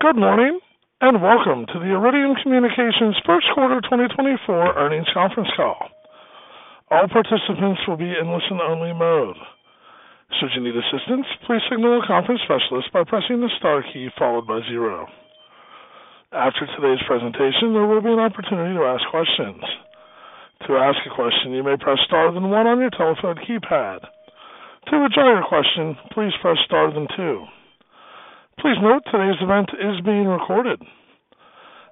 Good morning, and welcome to the Iridium Communications First Quarter 2024 Earnings Conference Call. All participants will be in listen-only mode. Should you need assistance, please signal a conference specialist by pressing the star key followed by zero. After today's presentation, there will be an opportunity to ask questions. To ask a question, you may press star then one on your telephone keypad. To withdraw your question, please press star then two. Please note, today's event is being recorded.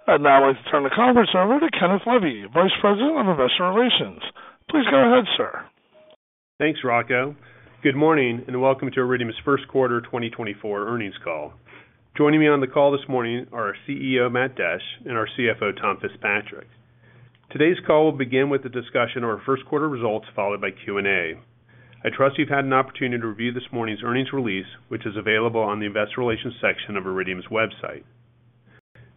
I'd now like to turn the conference over to Kenneth Levy, Vice President of Investor Relations. Please go ahead, sir. Thanks, Rocco. Good morning, and welcome to Iridium's first quarter 2024 earnings call. Joining me on the call this morning are our CEO, Matt Desch, and our CFO, Tom Fitzpatrick. Today's call will begin with a discussion of our first quarter results, followed by Q&A. I trust you've had an opportunity to review this morning's earnings release, which is available on the investor relations section of Iridium's website.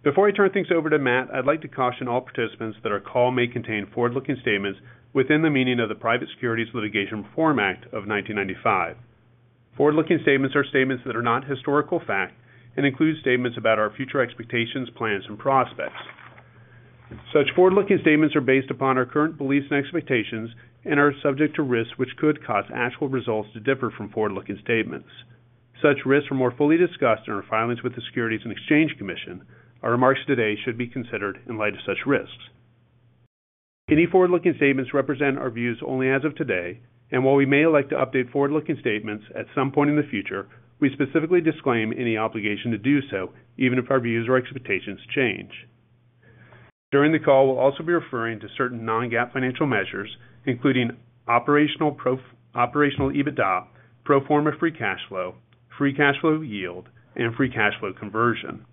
Before I turn things over to Matt, I'd like to caution all participants that our call may contain forward-looking statements within the meaning of the Private Securities Litigation Reform Act of 1995. Forward-looking statements are statements that are not historical fact and include statements about our future expectations, plans, and prospects. Such forward-looking statements are based upon our current beliefs and expectations and are subject to risks which could cause actual results to differ from forward-looking statements. Such risks are more fully discussed in our filings with the Securities and Exchange Commission. Our remarks today should be considered in light of such risks. Any forward-looking statements represent our views only as of today, and while we may like to update forward-looking statements at some point in the future, we specifically disclaim any obligation to do so, even if our views or expectations change. During the call, we'll also be referring to certain non-GAAP financial measures, including Operational EBITDA, pro forma free cash flow, free cash flow yield, and free cash flow conversion.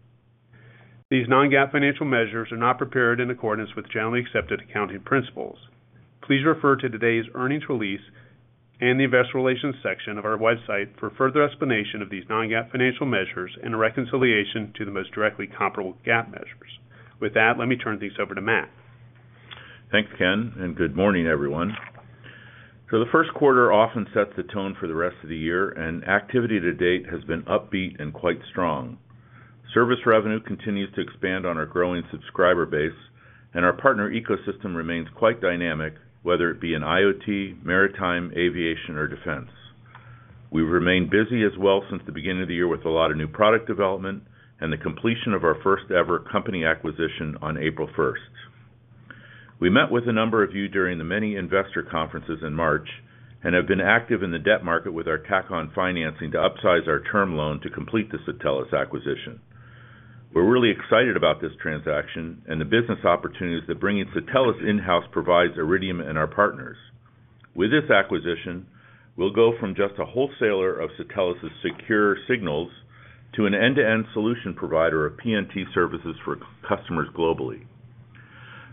These non-GAAP financial measures are not prepared in accordance with generally accepted accounting principles. Please refer to today's earnings release and the investor relations section of our website for further explanation of these non-GAAP financial measures and a reconciliation to the most directly comparable GAAP measures. With that, let me turn things over to Matt. Thanks, Ken, and good morning, everyone. The first quarter often sets the tone for the rest of the year, and activity to date has been upbeat and quite strong. Service revenue continues to expand on our growing subscriber base, and our partner ecosystem remains quite dynamic, whether it be in IoT, maritime, aviation, or defense. We've remained busy as well since the beginning of the year with a lot of new product development and the completion of our first-ever company acquisition on April first. We met with a number of you during the many investor conferences in March and have been active in the debt market with our tack-on financing to upsize our term loan to complete the Satelles acquisition. We're really excited about this transaction and the business opportunities that bringing Satelles in-house provides Iridium and our partners. With this acquisition, we'll go from just a wholesaler of Satelles' secure signals to an end-to-end solution provider of PNT services for customers globally.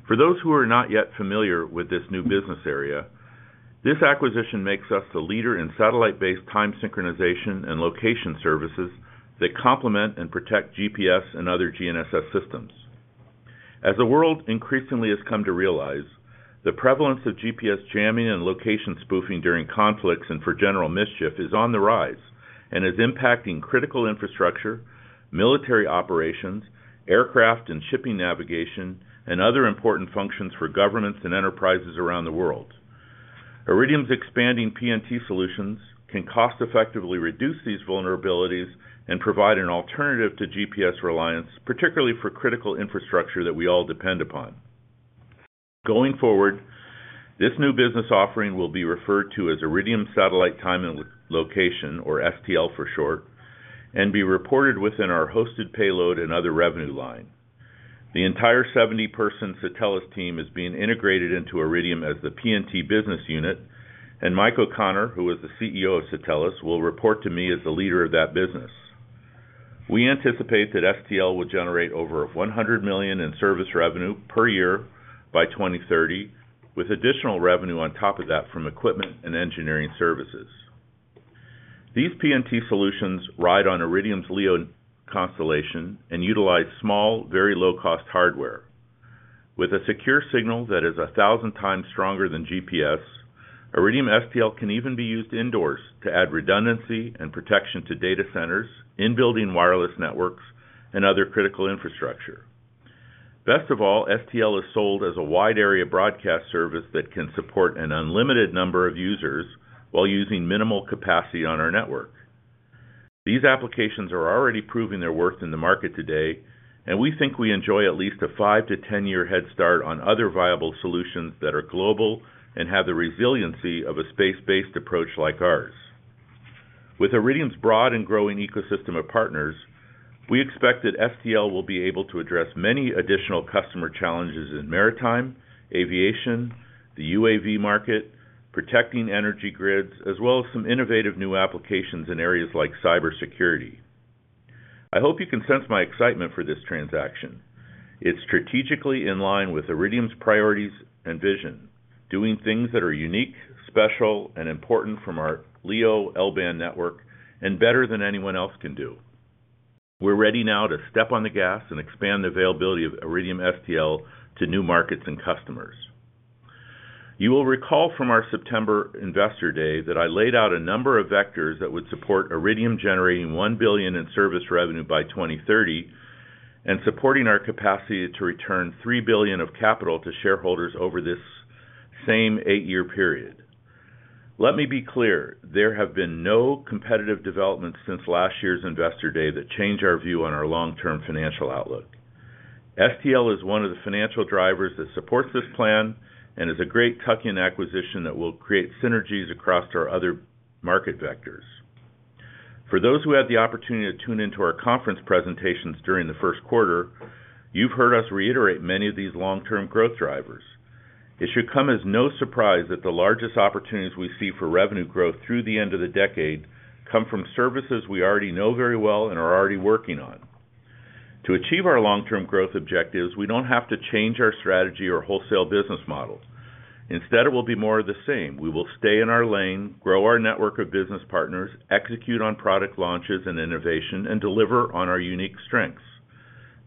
For those who are not yet familiar with this new business area, this acquisition makes us the leader in satellite-based time synchronization and location services that complement and protect GPS and other GNSS systems. As the world increasingly has come to realize, the prevalence of GPS jamming and location spoofing during conflicts and for general mischief is on the rise and is impacting critical infrastructure, military operations, aircraft and shipping navigation, and other important functions for governments and enterprises around the world. Iridium's expanding PNT solutions can cost effectively reduce these vulnerabilities and provide an alternative to GPS reliance, particularly for critical infrastructure that we all depend upon. Going forward, this new business offering will be referred to as Iridium Satellite Time and Location, or STL for short, and be reported within our hosted payload and other revenue line. The entire 70-person Satelles team is being integrated into Iridium as the PNT business unit, and Mike O'Connor, who is the CEO of Satelles, will report to me as the leader of that business. We anticipate that STL will generate over $100 million in service revenue per year by 2030, with additional revenue on top of that from equipment and engineering services. These PNT solutions ride on Iridium's LEO constellation and utilize small, very low-cost hardware. With a secure signal that is 1,000 times stronger than GPS, Iridium STL can even be used indoors to add redundancy and protection to data centers, in-building wireless networks, and other critical infrastructure. Best of all, STL is sold as a wide-area broadcast service that can support an unlimited number of users while using minimal capacity on our network. These applications are already proving their worth in the market today, and we think we enjoy at least a 5- to 10-year head start on other viable solutions that are global and have the resiliency of a space-based approach like ours. With Iridium's broad and growing ecosystem of partners, we expect that STL will be able to address many additional customer challenges in maritime, aviation, the UAV market, protecting energy grids, as well as some innovative new applications in areas like cybersecurity. I hope you can sense my excitement for this transaction. It's strategically in line with Iridium's priorities and vision, doing things that are unique, special, and important from our LEO L-band network and better than anyone else can do. We're ready now to step on the gas and expand the availability of Iridium STL to new markets and customers. You will recall from our September Investor Day that I laid out a number of vectors that would support Iridium generating $1 billion in service revenue by 2030, and supporting our capacity to return $3 billion of capital to shareholders over this same eight-year period. Let me be clear, there have been no competitive developments since last year's Investor Day that change our view on our long-term financial outlook. STL is one of the financial drivers that supports this plan and is a great tuck-in acquisition that will create synergies across our other market vectors. For those who had the opportunity to tune in to our conference presentations during the first quarter, you've heard us reiterate many of these long-term growth drivers. It should come as no surprise that the largest opportunities we see for revenue growth through the end of the decade come from services we already know very well and are already working on. To achieve our long-term growth objectives, we don't have to change our strategy or wholesale business models. Instead, it will be more of the same. We will stay in our lane, grow our network of business partners, execute on product launches and innovation, and deliver on our unique strengths.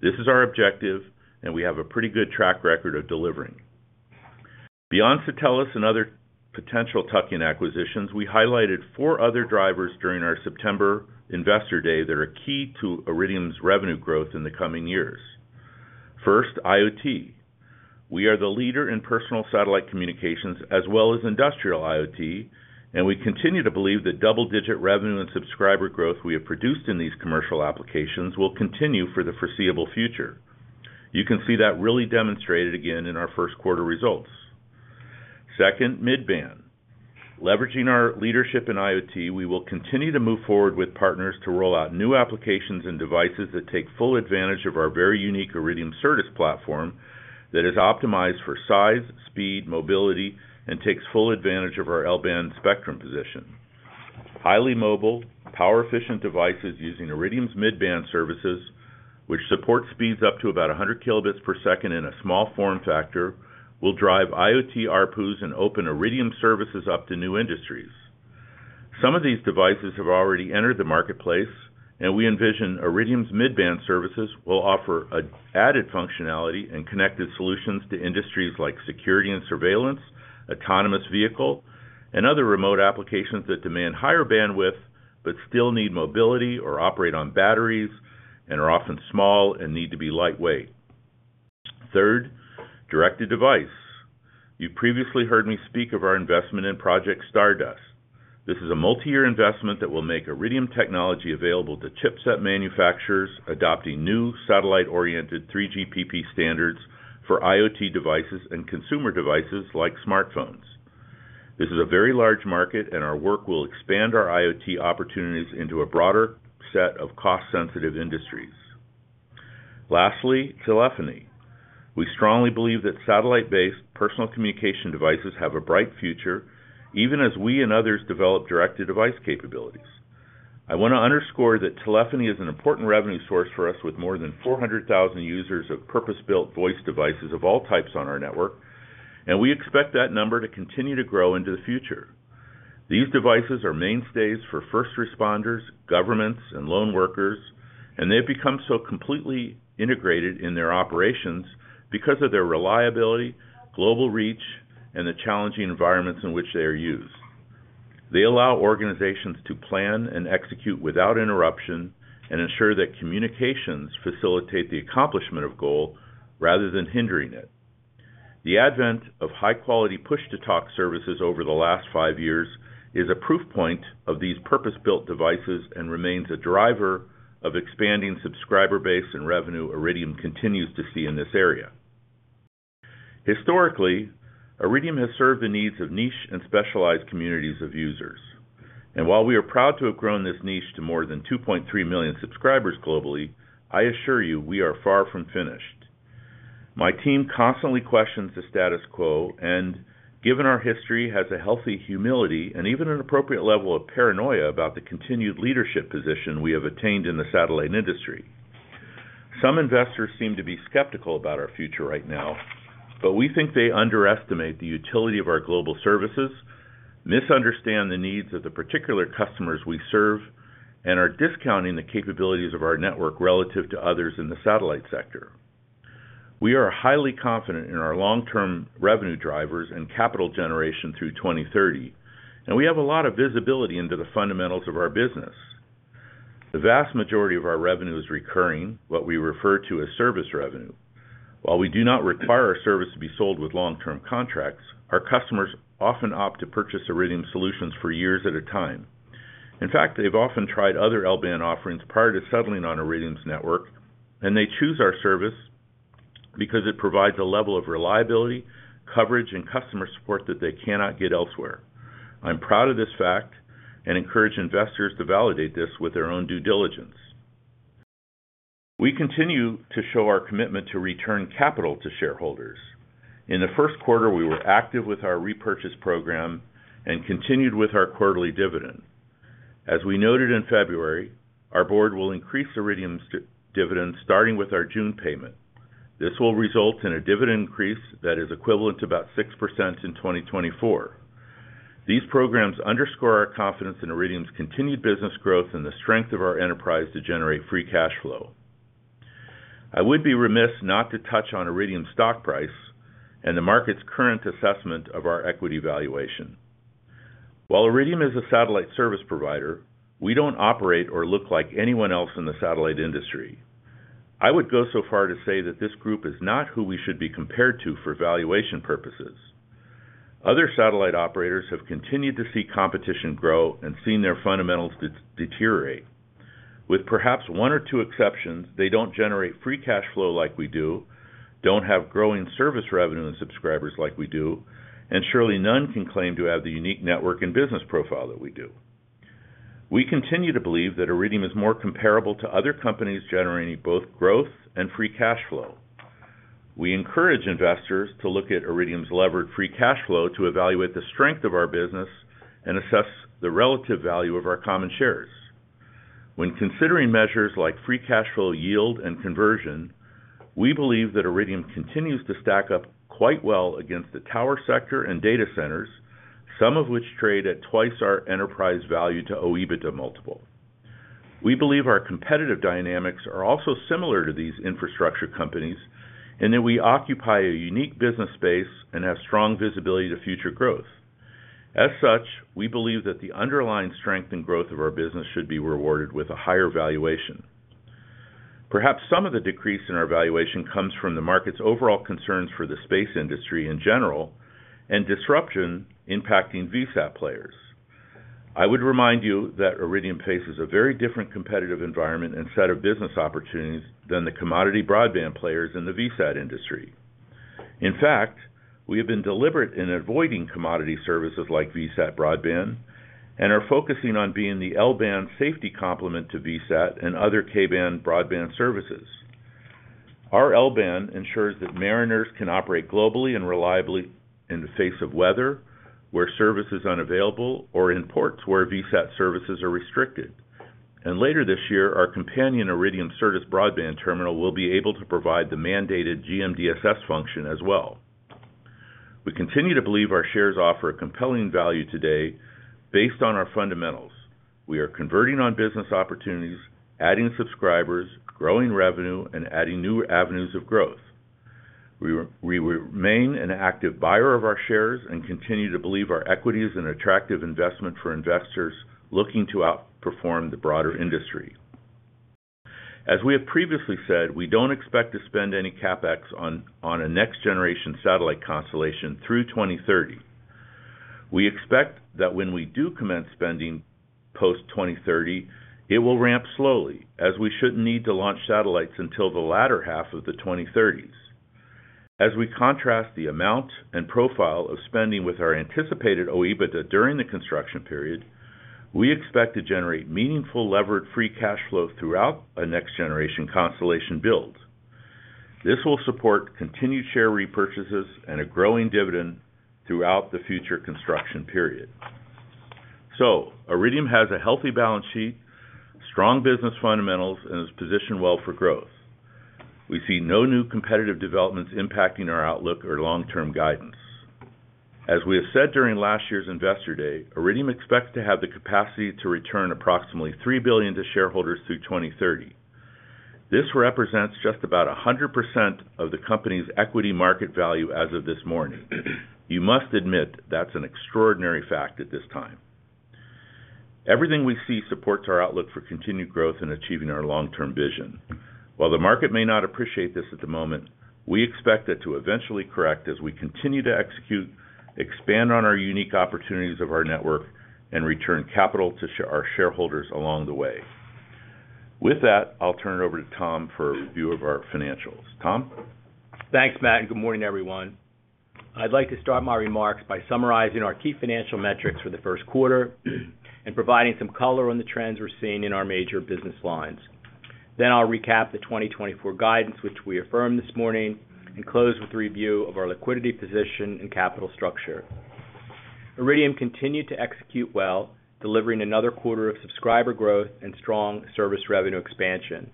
This is our objective, and we have a pretty good track record of delivering. Beyond Satelles and other potential tuck-in acquisitions, we highlighted four other drivers during our September Investor Day that are key to Iridium's revenue growth in the coming years. First, IoT. We are the leader in personal satellite communications as well as industrial IoT, and we continue to believe that double-digit revenue and subscriber growth we have produced in these commercial applications will continue for the foreseeable future. You can see that really demonstrated again in our first quarter results. Second, Midband. Leveraging our leadership in IoT, we will continue to move forward with partners to roll out new applications and devices that take full advantage of our very unique Iridium service platform that is optimized for size, speed, mobility, and takes full advantage of our L-band spectrum position. Highly mobile, power-efficient devices using Iridium's Midband services, which support speeds up to about 100 kilobits per second in a small form factor, will drive IoT ARPUs and open Iridium services up to new industries. Some of these devices have already entered the marketplace, and we envision Iridium's Midband services will offer an added functionality and connected solutions to industries like security and surveillance, autonomous vehicle, and other remote applications that demand higher bandwidth, but still need mobility or operate on batteries and are often small and need to be lightweight. Third, Direct-to-Device. You previously heard me speak of our investment in Project Stardust. This is a multi-year investment that will make Iridium technology available to chipset manufacturers, adopting new satellite-oriented 3GPP standards for IoT devices and consumer devices like smartphones. This is a very large market, and our work will expand our IoT opportunities into a broader set of cost-sensitive industries. Lastly, telephony. We strongly believe that satellite-based personal communication devices have a bright future, even as we and others develop Direct-to-Device capabilities. I want to underscore that telephony is an important revenue source for us, with more than 400,000 users of purpose-built voice devices of all types on our network, and we expect that number to continue to grow into the future. These devices are mainstays for first responders, governments, and lone workers, and they've become so completely integrated in their operations because of their reliability, global reach, and the challenging environments in which they are used. They allow organizations to plan and execute without interruption and ensure that communications facilitate the accomplishment of goal rather than hindering it. The advent of high-quality Push-to-Talk services over the last 5 years is a proof point of these purpose-built devices and remains a driver of expanding subscriber base and revenue, Iridium continues to see in this area. Historically, Iridium has served the needs of niche and specialized communities of users. While we are proud to have grown this niche to more than 2.3 million subscribers globally, I assure you, we are far from finished. My team constantly questions the status quo, and given our history, has a healthy humility and even an appropriate level of paranoia about the continued leadership position we have attained in the satellite industry. Some investors seem to be skeptical about our future right now, but we think they underestimate the utility of our global services, misunderstand the needs of the particular customers we serve, and are discounting the capabilities of our network relative to others in the satellite sector. We are highly confident in our long-term revenue drivers and capital generation through 2030, and we have a lot of visibility into the fundamentals of our business. The vast majority of our revenue is recurring, what we refer to as service revenue. While we do not require our service to be sold with long-term contracts, our customers often opt to purchase Iridium solutions for years at a time. In fact, they've often tried other L-band offerings prior to settling on Iridium's network, and they choose our service because it provides a level of reliability, coverage, and customer support that they cannot get elsewhere. I'm proud of this fact and encourage investors to validate this with their own due diligence. We continue to show our commitment to return capital to shareholders. In the first quarter, we were active with our repurchase program and continued with our quarterly dividend. As we noted in February, our board will increase Iridium's dividend starting with our June payment. This will result in a dividend increase that is equivalent to about 6% in 2024. These programs underscore our confidence in Iridium's continued business growth and the strength of our enterprise to generate free cash flow. I would be remiss not to touch on Iridium's stock price and the market's current assessment of our equity valuation. While Iridium is a satellite service provider, we don't operate or look like anyone else in the satellite industry. I would go so far to say that this group is not who we should be compared to for valuation purposes. Other satellite operators have continued to see competition grow and seen their fundamentals deteriorate. With perhaps one or two exceptions, they don't generate free cash flow like we do, don't have growing service revenue and subscribers like we do, and surely none can claim to have the unique network and business profile that we do. We continue to believe that Iridium is more comparable to other companies generating both growth and free cash flow. We encourage investors to look at Iridium's levered free cash flow to evaluate the strength of our business and assess the relative value of our common shares. When considering measures like free cash flow, yield, and conversion, we believe that Iridium continues to stack up quite well against the tower sector and data centers, some of which trade at twice our enterprise value to OIBDA multiple. We believe our competitive dynamics are also similar to these infrastructure companies, and that we occupy a unique business space and have strong visibility to future growth. As such, we believe that the underlying strength and growth of our business should be rewarded with a higher valuation. Perhaps some of the decrease in our valuation comes from the market's overall concerns for the space industry in general, and disruption impacting VSAT players. I would remind you that Iridium faces a very different competitive environment and set of business opportunities than the commodity broadband players in the VSAT industry. In fact, we have been deliberate in avoiding commodity services like VSAT broadband and are focusing on being the L-band safety complement to VSAT and other K-band broadband services. Our L-band ensures that mariners can operate globally and reliably in the face of weather, where service is unavailable, or in ports where VSAT services are restricted. Later this year, our companion Iridium Certus broadband terminal will be able to provide the mandated GMDSS function as well. We continue to believe our shares offer a compelling value today based on our fundamentals. We are converting on business opportunities, adding subscribers, growing revenue, and adding new avenues of growth. We remain an active buyer of our shares and continue to believe our equity is an attractive investment for investors looking to outperform the broader industry. As we have previously said, we don't expect to spend any CapEx on a next-generation satellite constellation through 2030. We expect that when we do commence spending post-2030, it will ramp slowly, as we shouldn't need to launch satellites until the latter half of the 2030s. As we contrast the amount and profile of spending with our anticipated OIBDA during the construction period, we expect to generate meaningful levered free cash flow throughout a next-generation constellation build. This will support continued share repurchases and a growing dividend throughout the future construction period. So Iridium has a healthy balance sheet, strong business fundamentals, and is positioned well for growth. We see no new competitive developments impacting our outlook or long-term guidance. As we have said during last year's Investor Day, Iridium expects to have the capacity to return approximately $3 billion to shareholders through 2030. This represents just about 100% of the company's equity market value as of this morning. You must admit, that's an extraordinary fact at this time. Everything we see supports our outlook for continued growth in achieving our long-term vision. While the market may not appreciate this at the moment, we expect it to eventually correct as we continue to execute, expand on our unique opportunities of our network, and return capital to our shareholders along the way. With that, I'll turn it over to Tom for a review of our financials. Tom? Thanks, Matt, and good morning, everyone. I'd like to start my remarks by summarizing our key financial metrics for the first quarter, and providing some color on the trends we're seeing in our major business lines. Then I'll recap the 2024 guidance, which we affirmed this morning, and close with a review of our liquidity position and capital structure. Iridium continued to execute well, delivering another quarter of subscriber growth and strong service revenue expansion.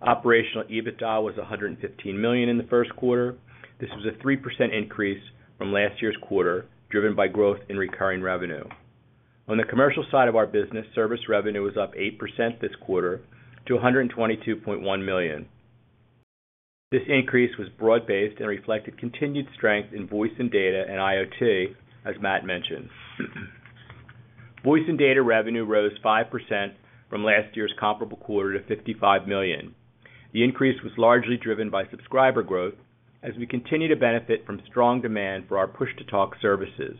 Operational EBITDA was $115 million in the first quarter. This was a 3% increase from last year's quarter, driven by growth in recurring revenue. On the commercial side of our business, service revenue was up 8% this quarter to $122.1 million. This increase was broad-based and reflected continued strength in voice and data and IoT, as Matt mentioned. Voice and data revenue rose 5% from last year's comparable quarter to $55 million. The increase was largely driven by subscriber growth as we continue to benefit from strong demand for our Push-to-Talk services.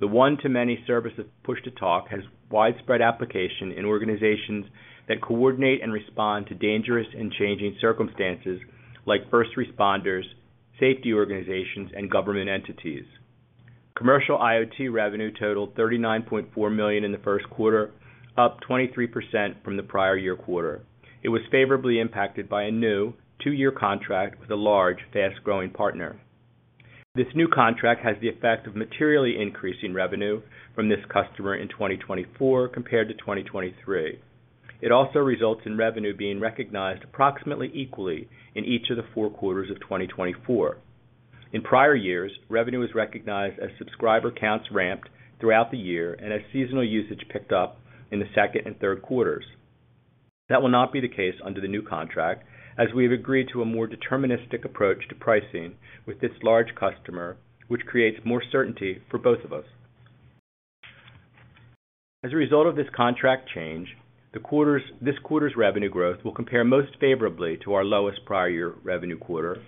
The one-to-many service of Push-to-Talk has widespread application in organizations that coordinate and respond to dangerous and changing circumstances, like first responders, safety organizations, and government entities. Commercial IoT revenue totaled $39.4 million in the first quarter, up 23% from the prior year quarter. It was favorably impacted by a new two-year contract with a large, fast-growing partner. This new contract has the effect of materially increasing revenue from this customer in 2024 compared to 2023. It also results in revenue being recognized approximately equally in each of the four quarters of 2024.... In prior years, revenue was recognized as subscriber counts ramped throughout the year and as seasonal usage picked up in the second and third quarters. That will not be the case under the new contract, as we've agreed to a more deterministic approach to pricing with this large customer, which creates more certainty for both of us. As a result of this contract change, this quarter's revenue growth will compare most favorably to our lowest prior year revenue quarter,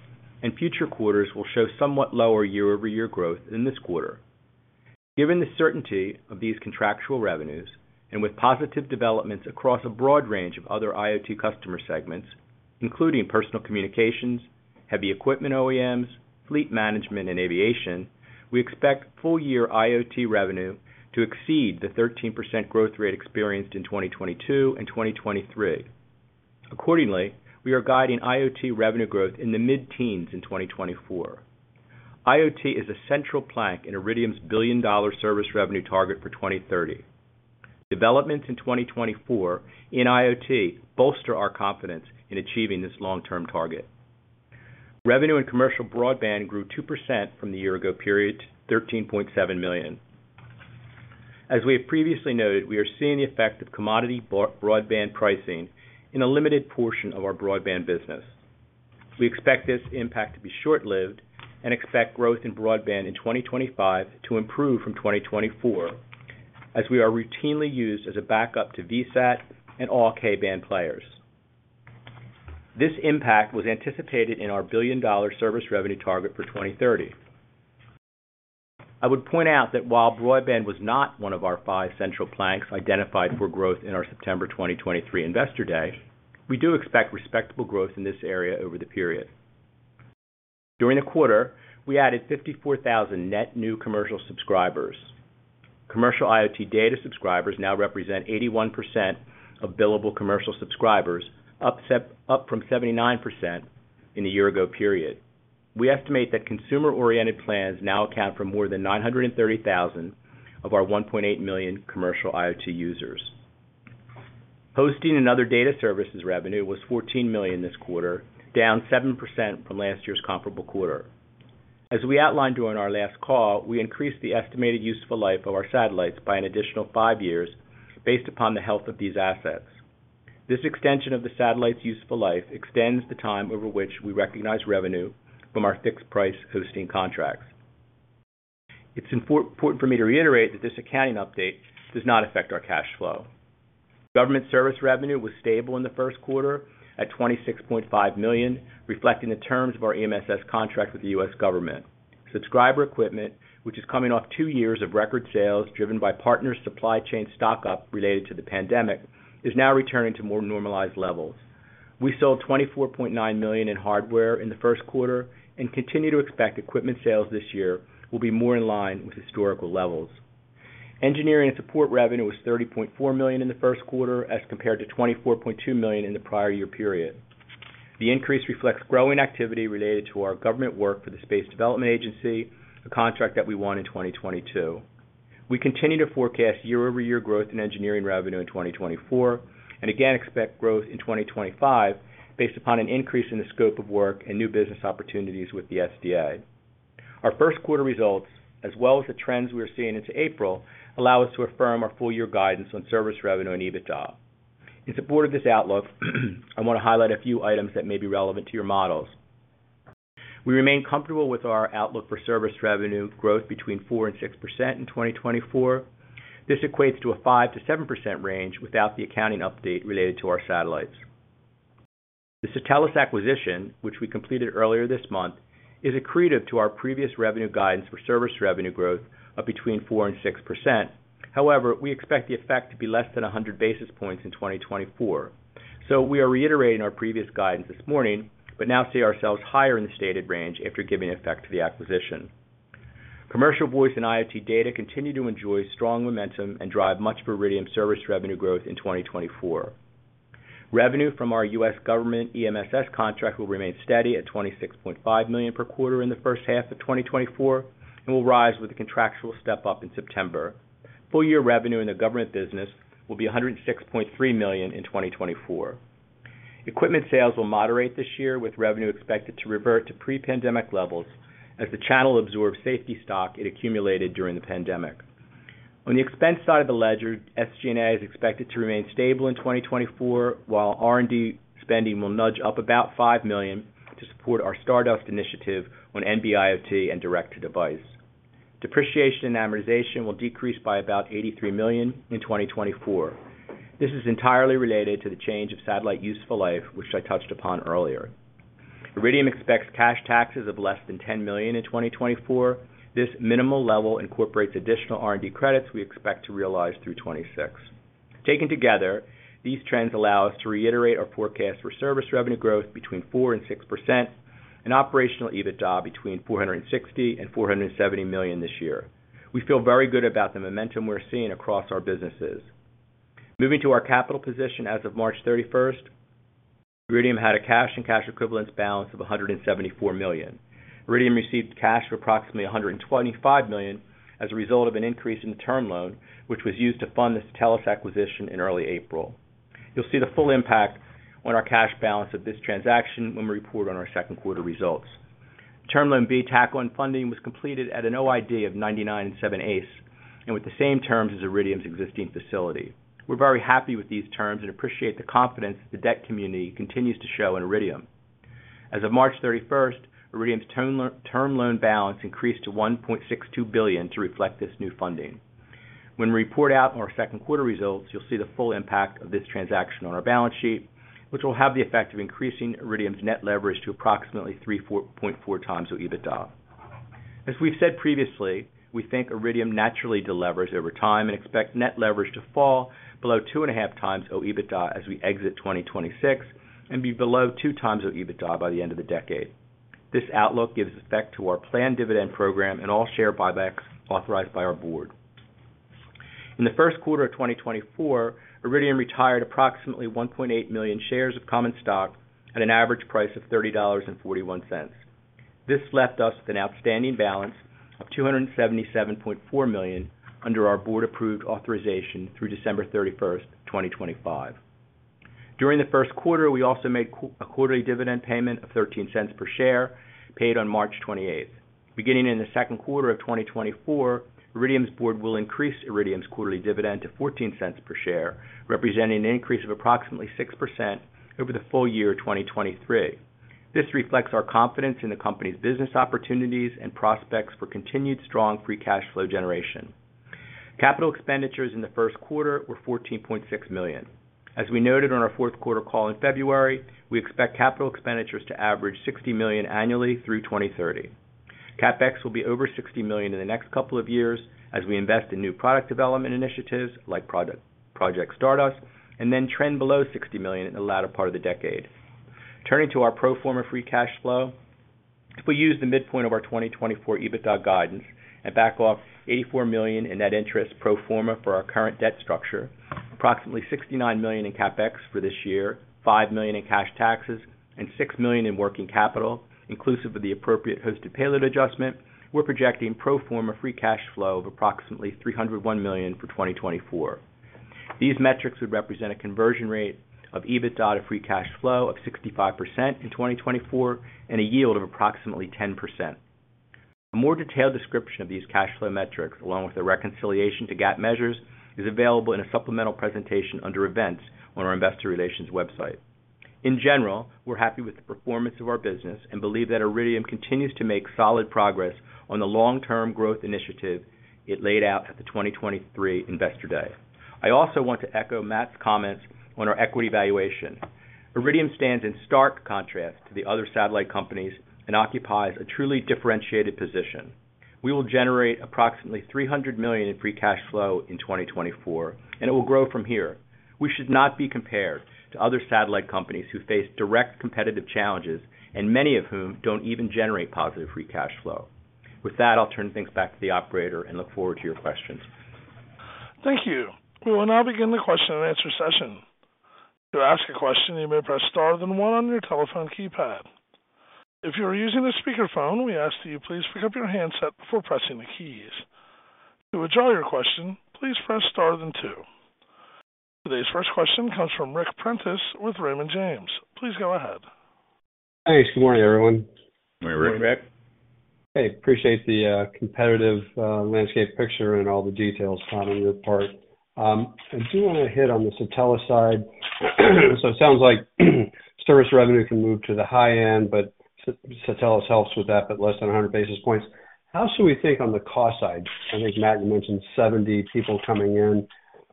and future quarters will show somewhat lower year-over-year growth than this quarter. Given the certainty of these contractual revenues, and with positive developments across a broad range of other IoT customer segments, including personal communications, heavy equipment OEMs, fleet management, and aviation, we expect full-year IoT revenue to exceed the 13% growth rate experienced in 2022 and 2023. Accordingly, we are guiding IoT revenue growth in the mid-teens in 2024. IoT is a central plank in Iridium's billion-dollar service revenue target for 2030. Developments in 2024 in IoT bolster our confidence in achieving this long-term target. Revenue and commercial broadband grew 2% from the year-ago period to $13.7 million. As we have previously noted, we are seeing the effect of commodity broadband pricing in a limited portion of our broadband business. We expect this impact to be short-lived and expect growth in broadband in 2025 to improve from 2024, as we are routinely used as a backup to VSAT and all K-band players. This impact was anticipated in our billion-dollar service revenue target for 2030. I would point out that while broadband was not one of our five central planks identified for growth in our September 2023 Investor Day, we do expect respectable growth in this area over the period. During the quarter, we added 54,000 net new commercial subscribers. Commercial IoT data subscribers now represent 81% of billable commercial subscribers, up from 79% in the year ago period. We estimate that consumer-oriented plans now account for more than 930,000 of our 1.8 million commercial IoT users. Hosting and other data services revenue was $14 million this quarter, down 7% from last year's comparable quarter. As we outlined during our last call, we increased the estimated useful life of our satellites by an additional five years based upon the health of these assets. This extension of the satellite's useful life extends the time over which we recognize revenue from our fixed-price hosting contracts. It's important for me to reiterate that this accounting update does not affect our cash flow. Government service revenue was stable in the first quarter at $26.5 million, reflecting the terms of our EMSS contract with the U.S. government. Subscriber equipment, which is coming off 2 years of record sales, driven by partner supply chain stock-up related to the pandemic, is now returning to more normalized levels. We sold $24.9 million in hardware in the first quarter and continue to expect equipment sales this year will be more in line with historical levels. Engineering and support revenue was $30.4 million in the first quarter, as compared to $24.2 million in the prior year period. The increase reflects growing activity related to our government work for the Space Development Agency, a contract that we won in 2022. We continue to forecast year-over-year growth in engineering revenue in 2024, and again expect growth in 2025, based upon an increase in the scope of work and new business opportunities with the SDA. Our first quarter results, as well as the trends we are seeing into April, allow us to affirm our full year guidance on service revenue and EBITDA. In support of this outlook, I want to highlight a few items that may be relevant to your models. We remain comfortable with our outlook for service revenue growth between 4% and 6% in 2024. This equates to a 5%-7% range without the accounting update related to our satellites. The Satelles acquisition, which we completed earlier this month, is accretive to our previous revenue guidance for service revenue growth of between 4% and 6%. However, we expect the effect to be less than 100 basis points in 2024. So we are reiterating our previous guidance this morning, but now see ourselves higher in the stated range after giving effect to the acquisition. Commercial voice and IoT data continue to enjoy strong momentum and drive much of Iridium's service revenue growth in 2024. Revenue from our U.S. government EMSS contract will remain steady at $26.5 million per quarter in the first half of 2024, and will rise with the contractual step-up in September. Full year revenue in the government business will be $106.3 million in 2024. Equipment sales will moderate this year, with revenue expected to revert to pre-pandemic levels as the channel absorbs safety stock it accumulated during the pandemic. On the expense side of the ledger, SG&A is expected to remain stable in 2024, while R&D spending will nudge up about $5 million to support our Stardust initiative on NB-IoT and Direct-to-Device. Depreciation and amortization will decrease by about $83 million in 2024. This is entirely related to the change of satellite useful life, which I touched upon earlier. Iridium expects cash taxes of less than $10 million in 2024. This minimal level incorporates additional R&D credits we expect to realize through 2026. Taken together, these trends allow us to reiterate our forecast for service revenue growth between 4% and 6% and operational EBITDA between $460 million and $470 million this year. We feel very good about the momentum we're seeing across our businesses. Moving to our capital position, as of March 31, Iridium had a cash and cash equivalents balance of $174 million. Iridium received cash of approximately $125 million as a result of an increase in the term loan, which was used to fund the Satelles acquisition in early April. You'll see the full impact on our cash balance of this transaction when we report on our second quarter results. Term Loan B takedown and funding was completed at an OID of 99 7/8, and with the same terms as Iridium's existing facility. We're very happy with these terms and appreciate the confidence the debt community continues to show in Iridium. As of March 31, Iridium's term loan balance increased to $1.62 billion to reflect this new funding. When we report out on our second quarter results, you'll see the full impact of this transaction on our balance sheet, which will have the effect of increasing Iridium's net leverage to approximately 3.4x OIBDA. As we've said previously, we think Iridium naturally delevers over time and expect net leverage to fall below 2.5x OIBDA as we exit 2026, and be below 2x OIBDA by the end of the decade. This outlook gives effect to our planned dividend program and all share buybacks authorized by our board. In the first quarter of 2024, Iridium retired approximately 1.8 million shares of common stock at an average price of $30.41. This left us with an outstanding balance of $277.4 million under our board-approved authorization through December 31, 2025. During the first quarter, we also made a quarterly dividend payment of $0.13 per share, paid on March 28. Beginning in the second quarter of 2024, Iridium's board will increase Iridium's quarterly dividend to $0.14 per share, representing an increase of approximately 6% over the full year of 2023. This reflects our confidence in the company's business opportunities and prospects for continued strong free cash flow generation. Capital expenditures in the first quarter were $14.6 million. As we noted on our fourth quarter call in February, we expect capital expenditures to average $60 million annually through 2030. CapEx will be over $60 million in the next couple of years as we invest in new product development initiatives, like Project, Project Stardust, and then trend below $60 million in the latter part of the decade. Turning to our pro forma free cash flow. If we use the midpoint of our 2024 EBITDA guidance and back off $84 million in net interest pro forma for our current debt structure, approximately $69 million in CapEx for this year, $5 million in cash taxes, and $6 million in working capital, inclusive of the appropriate hosted payload adjustment, we're projecting pro forma free cash flow of approximately $301 million for 2024. These metrics would represent a conversion rate of EBITDA to free cash flow of 65% in 2024, and a yield of approximately 10%. A more detailed description of these cash flow metrics, along with a reconciliation to GAAP measures, is available in a supplemental presentation under Events on our Investor Relations website. In general, we're happy with the performance of our business and believe that Iridium continues to make solid progress on the long-term growth initiative it laid out at the 2023 Investor Day. I also want to echo Matt's comments on our equity valuation. Iridium stands in stark contrast to the other satellite companies and occupies a truly differentiated position. We will generate approximately $300 million in free cash flow in 2024, and it will grow from here. We should not be compared to other satellite companies who face direct competitive challenges, and many of whom don't even generate positive free cash flow. With that, I'll turn things back to the operator and look forward to your questions. Thank you. We will now begin the question and answer session. To ask a question, you may press star then one on your telephone keypad. If you are using a speakerphone, we ask that you please pick up your handset before pressing the keys. To withdraw your question, please press star then two. Today's first question comes from Ric Prentiss with Raymond James. Please go ahead. Thanks. God morning, everyone. Good morning, Ric. Hey, appreciate the competitive landscape picture and all the details, Tom, on your part. I do want to hit on the Satelles side. So it sounds like service revenue can move to the high end, but Satelles helps with that, but less than 100 basis points. How should we think on the cost side? I think, Matt, you mentioned 70 people coming in.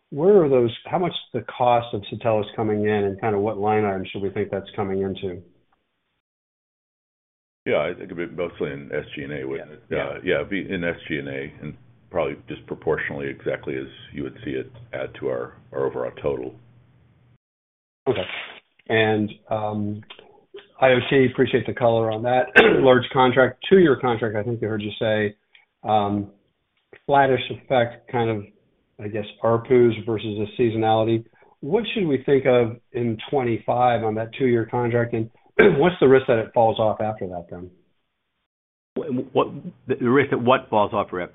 Where are those—how much is the cost of Satelles coming in, and kind of what line item should we think that's coming into? Yeah, I think it'd be mostly in SG&A, wouldn't it? Yeah. Yeah, yeah, it'd be in SG&A, and probably just proportionally, exactly as you would see it add to our, our overall total. Okay. loT, I appreciate the color on that. Large contract, two-year contract, I think I heard you say. Flattish effect, kind of, I guess, ARPUs versus the seasonality. What should we think of in 2025 on that two-year contract? And what's the risk that it falls off after that then? What the risk that what falls off, Ric?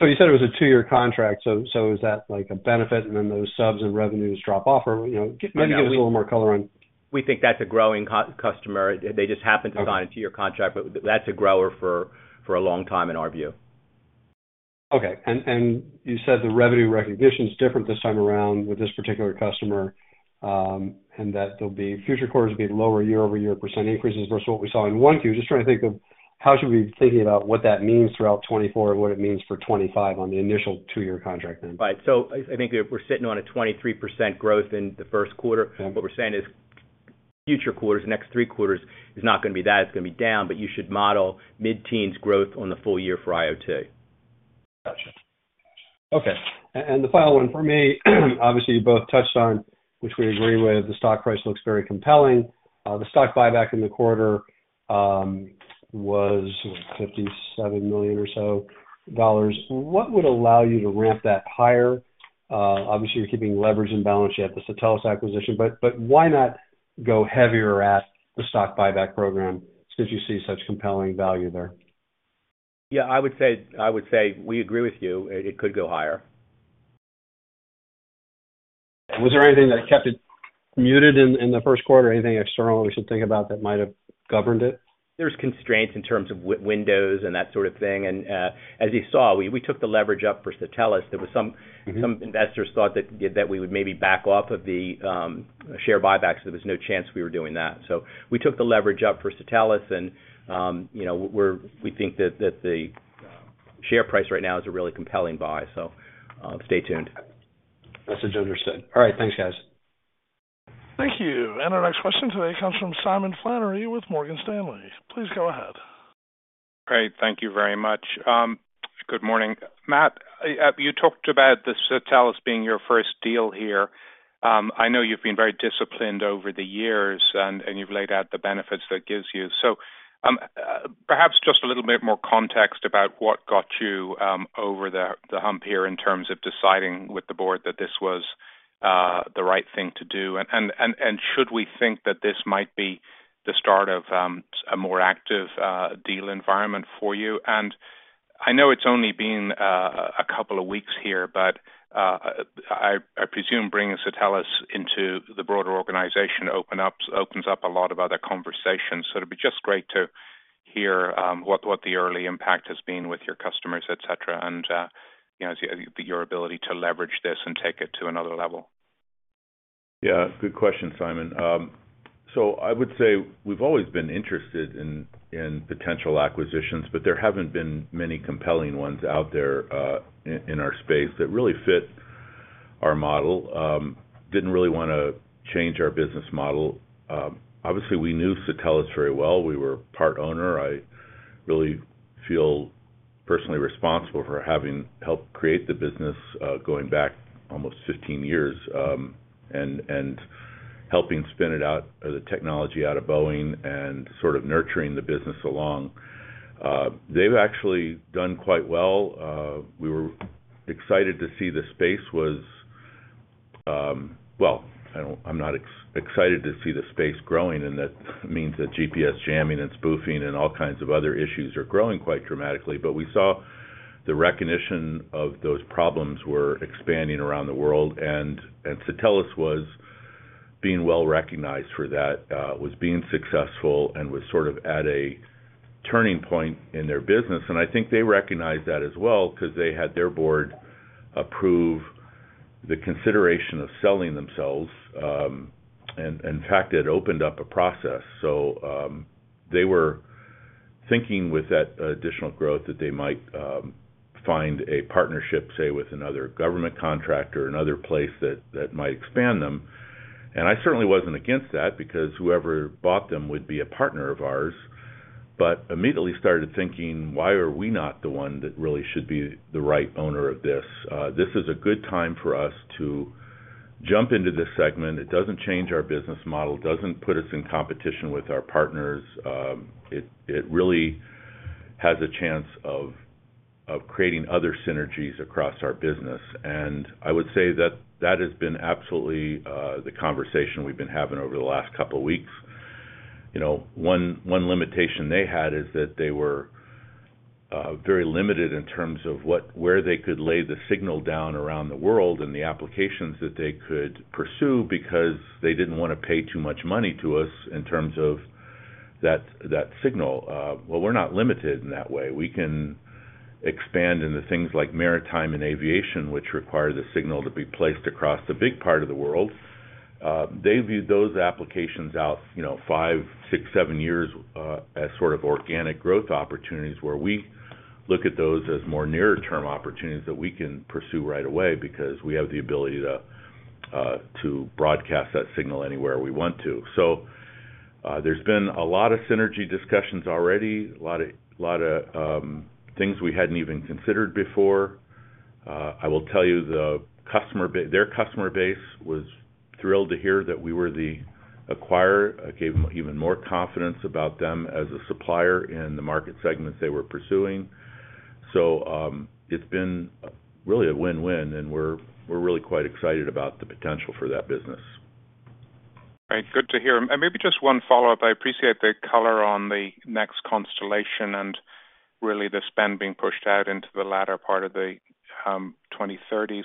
So you said it was a two-year contract, so, so is that, like, a benefit and then those subs and revenues drop off or, you know, maybe give us a little more color on- We think that's a growing customer. They just happen to sign a two-year contract, but that's a grower for a long time, in our view. Okay. And you said the revenue recognition is different this time around with this particular customer, and that there'll be future quarters will be lower year-over-year percent increases versus what we saw in Q1. Just trying to think of how should we be thinking about what that means throughout 2024 and what it means for 2025 on the initial two-year contract then? Right. So I think we're sitting on a 23% growth in the first quarter. Yeah. What we're saying is future quarters, the next three quarters, is not gonna be that, it's gonna be down, but you should model mid-teens growth on the full year for IoT. Gotcha. Okay, and the final one for me, obviously, you both touched on, which we agree with, the stock price looks very compelling. The stock buyback in the quarter was $57 million or so dollars. What would allow you to ramp that higher? Obviously, you're keeping leverage in balance. You have the Satelles acquisition, but why not go heavier at the stock buyback program since you see such compelling value there?... Yeah, I would say, I would say we agree with you. It, it could go higher. Was there anything that kept it muted in, in the first quarter? Anything external we should think about that might have governed it? There's constraints in terms of windows and that sort of thing. As you saw, we took the leverage up for Satelles. There was some- Mm-hmm. Some investors thought that we would maybe back off of the share buybacks, there was no chance we were doing that. So we took the leverage up for Satelles, and you know, we think that the share price right now is a really compelling buy, so stay tuned. Message understood. All right, thanks, guys. Thank you. And our next question today comes from Simon Flannery with Morgan Stanley. Please go ahead. Great. Thank you very much. Good morning. Matt, you talked about the Satelles being your first deal here. I know you've been very disciplined over the years, and you've laid out the benefits that gives you. So, perhaps just a little bit more context about what got you over the hump here in terms of deciding with the board that this was the right thing to do. And should we think that this might be the start of a more active deal environment for you? And I know it's only been a couple of weeks here, but I presume bringing Satelles into the broader organization opens up a lot of other conversations. So it'd be just great to hear what the early impact has been with your customers, et cetera, and you know, as your ability to leverage this and take it to another level. Yeah, good question, Simon. So I would say we've always been interested in potential acquisitions, but there haven't been many compelling ones out there, in our space that really fit our model. Didn't really wanna change our business model. Obviously, we knew Satelles very well. We were part owner. I really feel personally responsible for having helped create the business, going back almost 15 years, and helping spin it out, the technology out of Boeing and sort of nurturing the business along. They've actually done quite well. We were excited to see the space was. Well, I'm not excited to see the space growing, and that means that GPS jamming and spoofing and all kinds of other issues are growing quite dramatically. But we saw the recognition of those problems were expanding around the world, and Satelles was being well recognized for that, was being successful and was sort of at a turning point in their business. I think they recognized that as well, 'cause they had their board approve the consideration of selling themselves. In fact, it opened up a process. They were thinking with that additional growth, that they might find a partnership, say, with another government contractor or another place that might expand them. I certainly wasn't against that, because whoever bought them would be a partner of ours. But immediately started thinking, why are we not the one that really should be the right owner of this? This is a good time for us to jump into this segment. It doesn't change our business model, doesn't put us in competition with our partners. It really has a chance of creating other synergies across our business, and I would say that that has been absolutely the conversation we've been having over the last couple of weeks. You know, one limitation they had is that they were very limited in terms of where they could lay the signal down around the world and the applications that they could pursue, because they didn't wanna pay too much money to us in terms of that signal. Well, we're not limited in that way. We can expand into things like maritime and aviation, which require the signal to be placed across a big part of the world. They viewed those applications out, you know, 5, 6, 7 years, as sort of organic growth opportunities, where we look at those as more nearer term opportunities that we can pursue right away because we have the ability to broadcast that signal anywhere we want to. So, there's been a lot of synergy discussions already, a lot of things we hadn't even considered before. I will tell you, their customer base was thrilled to hear that we were the acquirer. It gave them even more confidence about them as a supplier in the market segments they were pursuing. So, it's been really a win-win, and we're really quite excited about the potential for that business. All right, good to hear. Maybe just one follow-up. I appreciate the color on the next constellation and really the spend being pushed out into the latter part of the 2030s.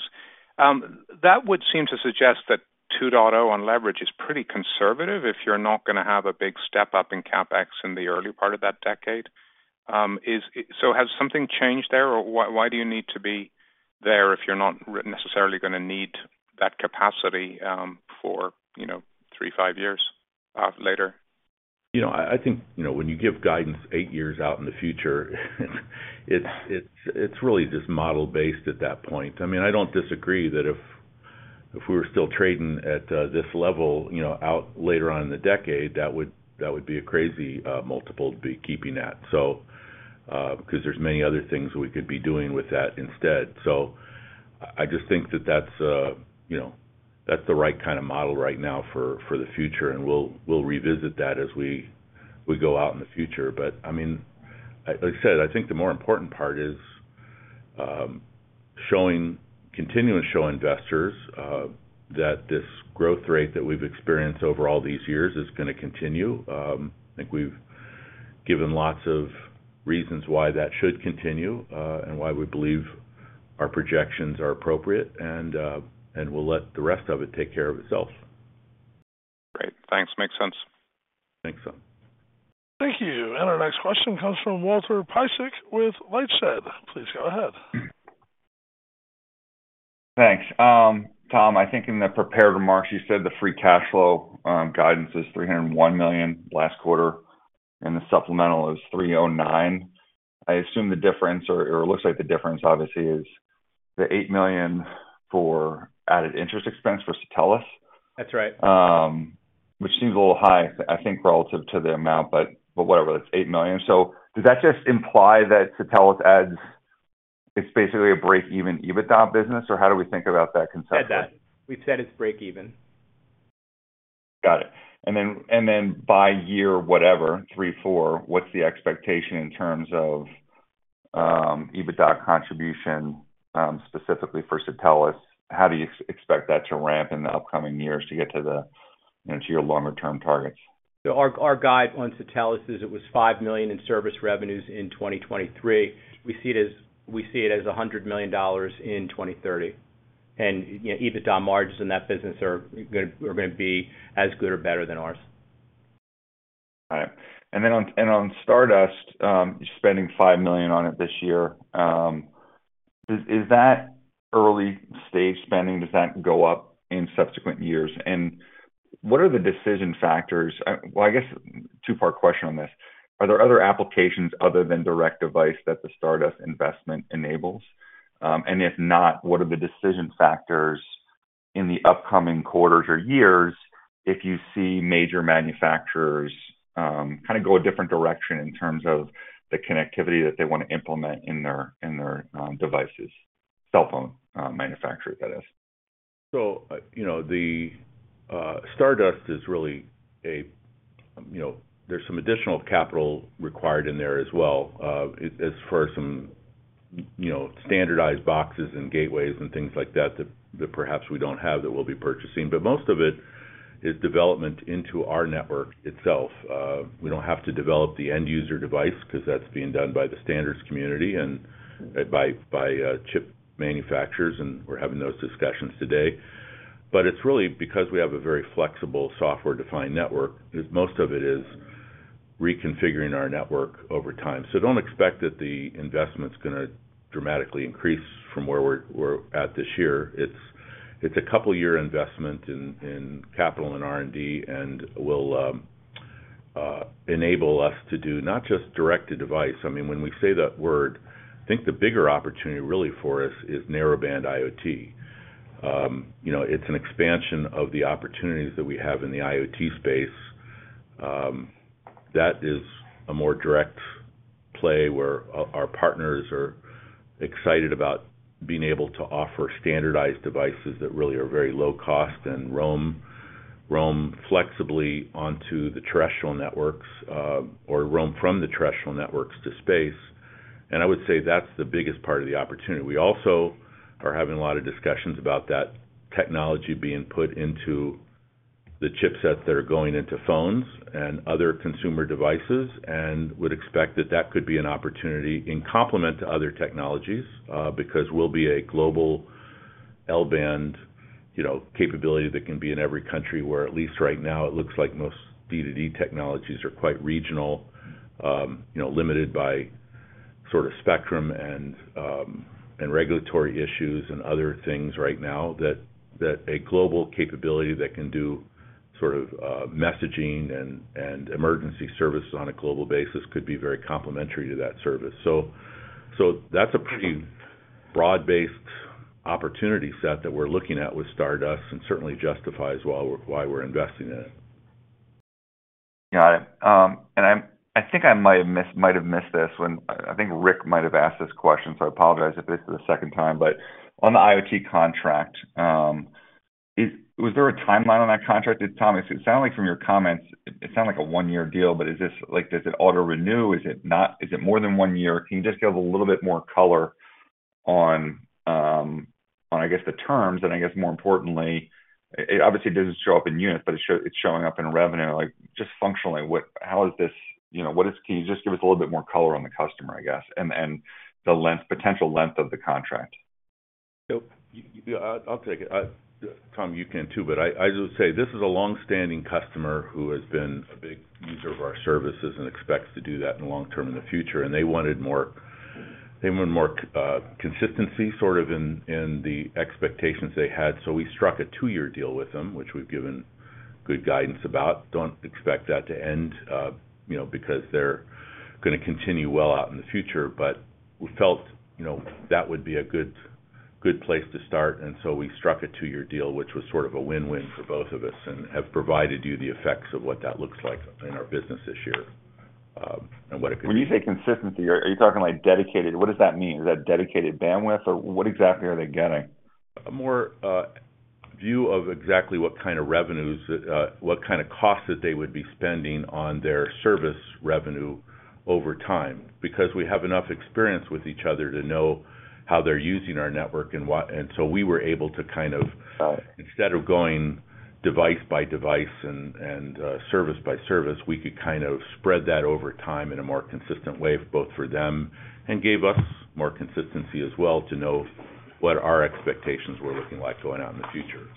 That would seem to suggest that 2.0 on leverage is pretty conservative if you're not gonna have a big step up in CapEx in the early part of that decade. Has something changed there, or why, why do you need to be there if you're not necessarily gonna need that capacity, you know, 3-5 years later? You know, I think, you know, when you give guidance eight years out in the future, it's really just model based at that point. I mean, I don't disagree that if we were still trading at this level, you know, out later on in the decade, that would be a crazy multiple to be keeping at. So, 'cause there's many other things we could be doing with that instead. So I just think that that's, you know, that's the right kind of model right now for the future, and we'll revisit that as we go out in the future. But, I mean, like I said, I think the more important part is showing, continuing to show investors that this growth rate that we've experienced over all these years is gonna continue. I think we've given lots of reasons why that should continue, and why we believe our projections are appropriate, and we'll let the rest of it take care of itself. Great. Thanks. Makes sense. Thanks, Tom. Thank you. Our next question comes from Walter Piecyk with LightShed. Please go ahead. Thanks. Tom, I think in the prepared remarks, you said the free cash flow guidance is $301 million last quarter, and the supplemental is $309 million. I assume the difference, or, or it looks like the difference, obviously, is the $8 million for added interest expense for Satelles. That's right. Which seems a little high, I think, relative to the amount, but, but whatever, it's $8 million. So does that just imply that Satelles adds—it's basically a break-even EBITDA business, or how do we think about that conceptually? We've said that. We've said it's break-even. Got it. Then by year, whatever, three, four, what's the expectation in terms of EBITDA contribution, specifically for Satelles? How do you expect that to ramp in the upcoming years to get to the, you know, to your longer-term targets? So our guide on Satelles is it was $5 million in service revenues in 2023. We see it as $100 million in 2030. And, you know, EBITDA margins in that business are good, are gonna be as good or better than ours. All right. And then on, and on Stardust, spending $5 million on it this year, is that early stage spending, does that go up in subsequent years? And what are the decision factors? Well, I guess two-part question on this: Are there other applications other than direct device that the Stardust investment enables? And if not, what are the decision factors in the upcoming quarters or years if you see major manufacturers kind of go a different direction in terms of the connectivity that they want to implement in their devices, cell phone manufacturer, that is? So, you know, the Stardust is really a, you know, there's some additional capital required in there as well, as for some, you know, standardized boxes and gateways and things like that, that perhaps we don't have, that we'll be purchasing. But most of it is development into our network itself. We don't have to develop the end user device because that's being done by the standards community and by chip manufacturers, and we're having those discussions today. But it's really because we have a very flexible software-defined network; most of it is reconfiguring our network over time. So don't expect that the investment's gonna dramatically increase from where we're at this year. It's a couple of year investment in capital and R&D, and will enable us to do not just Direct-to-Device. I mean, when we say that word, I think the bigger opportunity really for us is Narrowband IoT. You know, it's an expansion of the opportunities that we have in the IoT space. That is a more direct play where our partners are excited about being able to offer standardized devices that really are very low cost and roam flexibly onto the terrestrial networks, or roam from the terrestrial networks to space. And I would say that's the biggest part of the opportunity. We also are having a lot of discussions about that technology being put into the chipsets that are going into phones and other consumer devices, and would expect that that could be an opportunity in complement to other technologies, because we'll be a global L-band, you know, capability that can be in every country, where at least right now, it looks like most D2D technologies are quite regional, you know, limited by sort of spectrum and, and regulatory issues and other things right now, that a global capability that can do sort of, messaging and, and emergency services on a global basis could be very complementary to that service. So that's a pretty broad-based opportunity set that we're looking at with Stardust and certainly justifies why we're investing in it. Got it. And I'm—I think I might have missed this. I think Ric might have asked this question, so I apologize if this is the second time. But on the IoT contract, was there a timeline on that contract, Tom? It sound like from your comments, it sound like a one-year deal, but is this, like, does it auto-renew? Is it not? Is it more than one year? Can you just give a little bit more color on, on, I guess, the terms, and I guess more importantly, it obviously doesn't show up in units, but it's showing up in revenue. Like, just functionally, what—how is this, you know, what is... Can you just give us a little bit more color on the customer, I guess, and the length, potential length of the contract? So I'll take it. Tom, you can too, but I just say this is a long-standing customer who has been a big user of our services and expects to do that in the long term, in the future, and they wanted more, they wanted more consistency, sort of in the expectations they had. So we struck a two-year deal with them, which we've given good guidance about. Don't expect that to end, you know, because they're gonna continue well out in the future. But we felt, you know, that would be a good, good place to start, and so we struck a two-year deal, which was sort of a win-win for both of us and have provided you the effects of what that looks like in our business this year, and what it could be- When you say consistency, are you talking like dedicated? What does that mean? Is that dedicated bandwidth, or what exactly are they getting? More view of exactly what kind of revenues, what kind of costs that they would be spending on their service revenue over time, because we have enough experience with each other to know how they're using our network and what. And so we were able to kind of, instead of going device by device and service by service, we could kind of spread that over time in a more consistent way, both for them, and gave us more consistency as well, to know what our expectations were looking like going out in the future.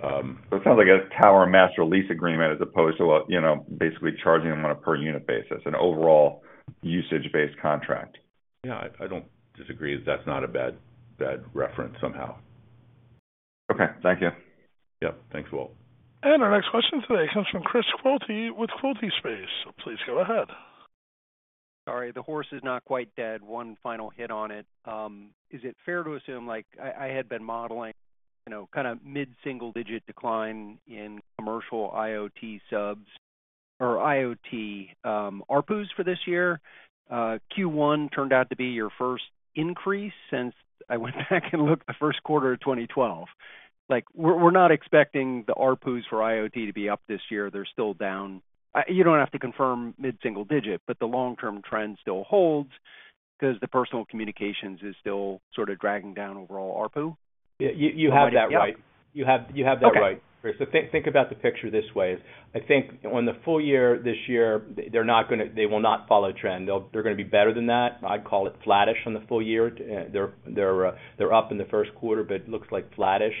So it sounds like a tower master lease agreement as opposed to a, you know, basically charging them on a per unit basis, an overall usage-based contract. Yeah, I don't disagree. That's not a bad reference somehow. Okay. Thank you. Yep, thanks, Walt. Our next question today comes from Chris Quilty with Quilty Space. Please go ahead. Sorry, the horse is not quite dead. One final hit on it. Is it fair to assume, like, I had been modeling, you know, kinda mid-single-digit decline in commercial IoT subs or IoT, ARPUs for this year. Q1 turned out to be your first increase since I went back and looked the first quarter of 2012. Like, we're not expecting the ARPUs for IoT to be up this year. They're still down. You don't have to confirm mid-single digit, but the long-term trend still holds 'cause the personal communications is still sort of dragging down overall ARPU? Yeah, you have that right. Yep. You have that right- Okay. Chris. So think about the picture this way. I think on the full year, this year, they will not follow trend. They'll be better than that. I'd call it flattish on the full year. They're up in the first quarter, but it looks like flattish.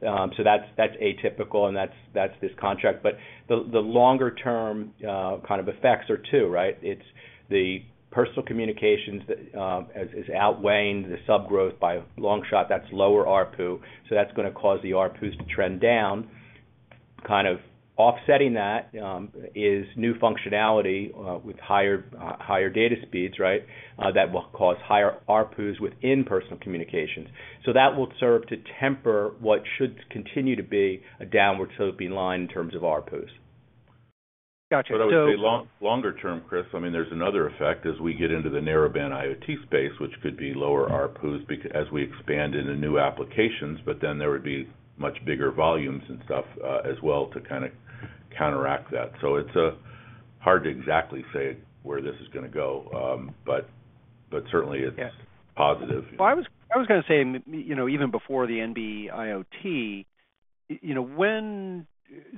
So that's atypical, and that's this contract. But the longer term kind of effects are two, right? It's the personal communications as is outweighing the sub growth by a long shot. That's lower ARPU, so that's gonna cause the ARPUs to trend down. Kind of offsetting that is new functionality with higher data speeds, right? That will cause higher ARPUs within personal communications. So that will serve to temper what should continue to be a downward sloping line in terms of ARPUs. Got you, so- But I would say longer term, Chris, I mean, there's another effect as we get into the Narrowband IoT space, which could be lower ARPUs as we expand into new applications, but then there would be much bigger volumes and stuff, as well, to kinda counteract that. So it's hard to exactly say where this is gonna go. But certainly it's- Yeah... positive. Well, I was, I was gonna say, you know, even before the NB-IoT, you know, when...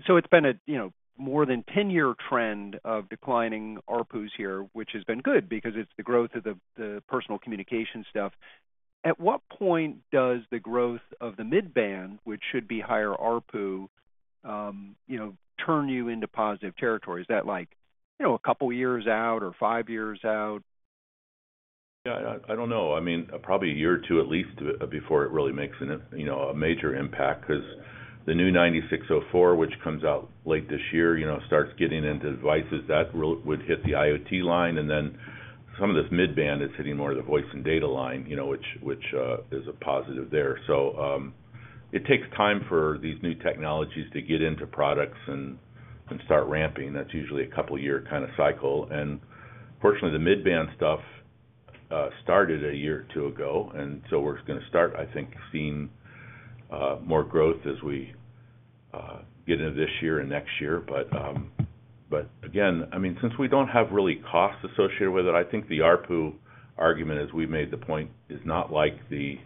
So it's been a, you know, more than 10-year trend of declining ARPUs here, which has been good because it's the growth of the, the personal communication stuff. At what point does the growth of the Midband, which should be higher ARPU, you know, turn you into positive territory? Is that like, you know, a couple of years out or 5 years out? Yeah, I don't know. I mean, probably a year or two at least, before it really makes, you know, a major impact 'cause the new 9604, which comes out late this year, you know, starts getting into devices that would hit the IoT line, and then some of this Midband is hitting more of the voice and data line, you know, which is a positive there. So, it takes time for these new technologies to get into products and start ramping. That's usually a couple year kinda cycle. And fortunately, the Midband stuff started a year or two ago, and so we're gonna start, I think, seeing more growth as we get into this year and next year. But again, I mean, since we don't have really costs associated with it, I think the ARPU argument, as we made the point, is not like the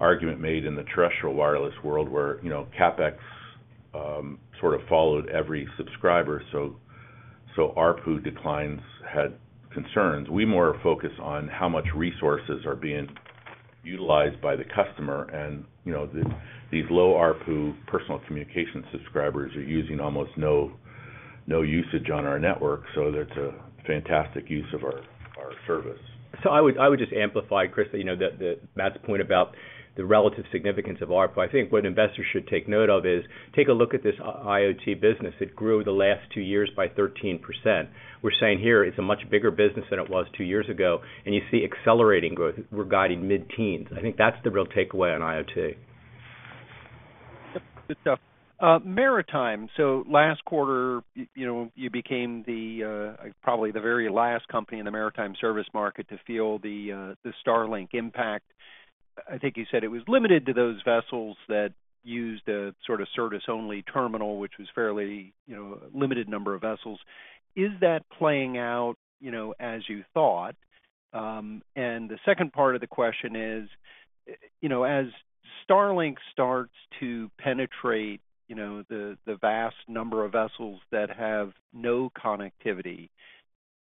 argument made in the terrestrial wireless world, where, you know, CapEx sort of followed every subscriber, so ARPU declines had concerns. We more focus on how much resources are being utilized by the customer. And, you know, these low ARPU personal communication subscribers are using almost no usage on our network, so it's a fantastic use of our service. So I would just amplify, Chris, you know, the Matt's point about the relative significance of ARPU. I think what investors should take note of is, take a look at this IoT business. It grew the last two years by 13%. We're saying here it's a much bigger business than it was two years ago, and you see accelerating growth. We're guiding mid-teens%. I think that's the real takeaway on IoT. Good stuff. Maritime. So last quarter, you know, you became the, probably the very last company in the maritime service market to feel the, the Starlink impact. I think you said it was limited to those vessels that used a sort of service-only terminal, which was fairly, you know, limited number of vessels. Is that playing out, you know, as you thought? And the second part of the question is, you know, as Starlink starts to penetrate, you know, the, the vast number of vessels that have no connectivity,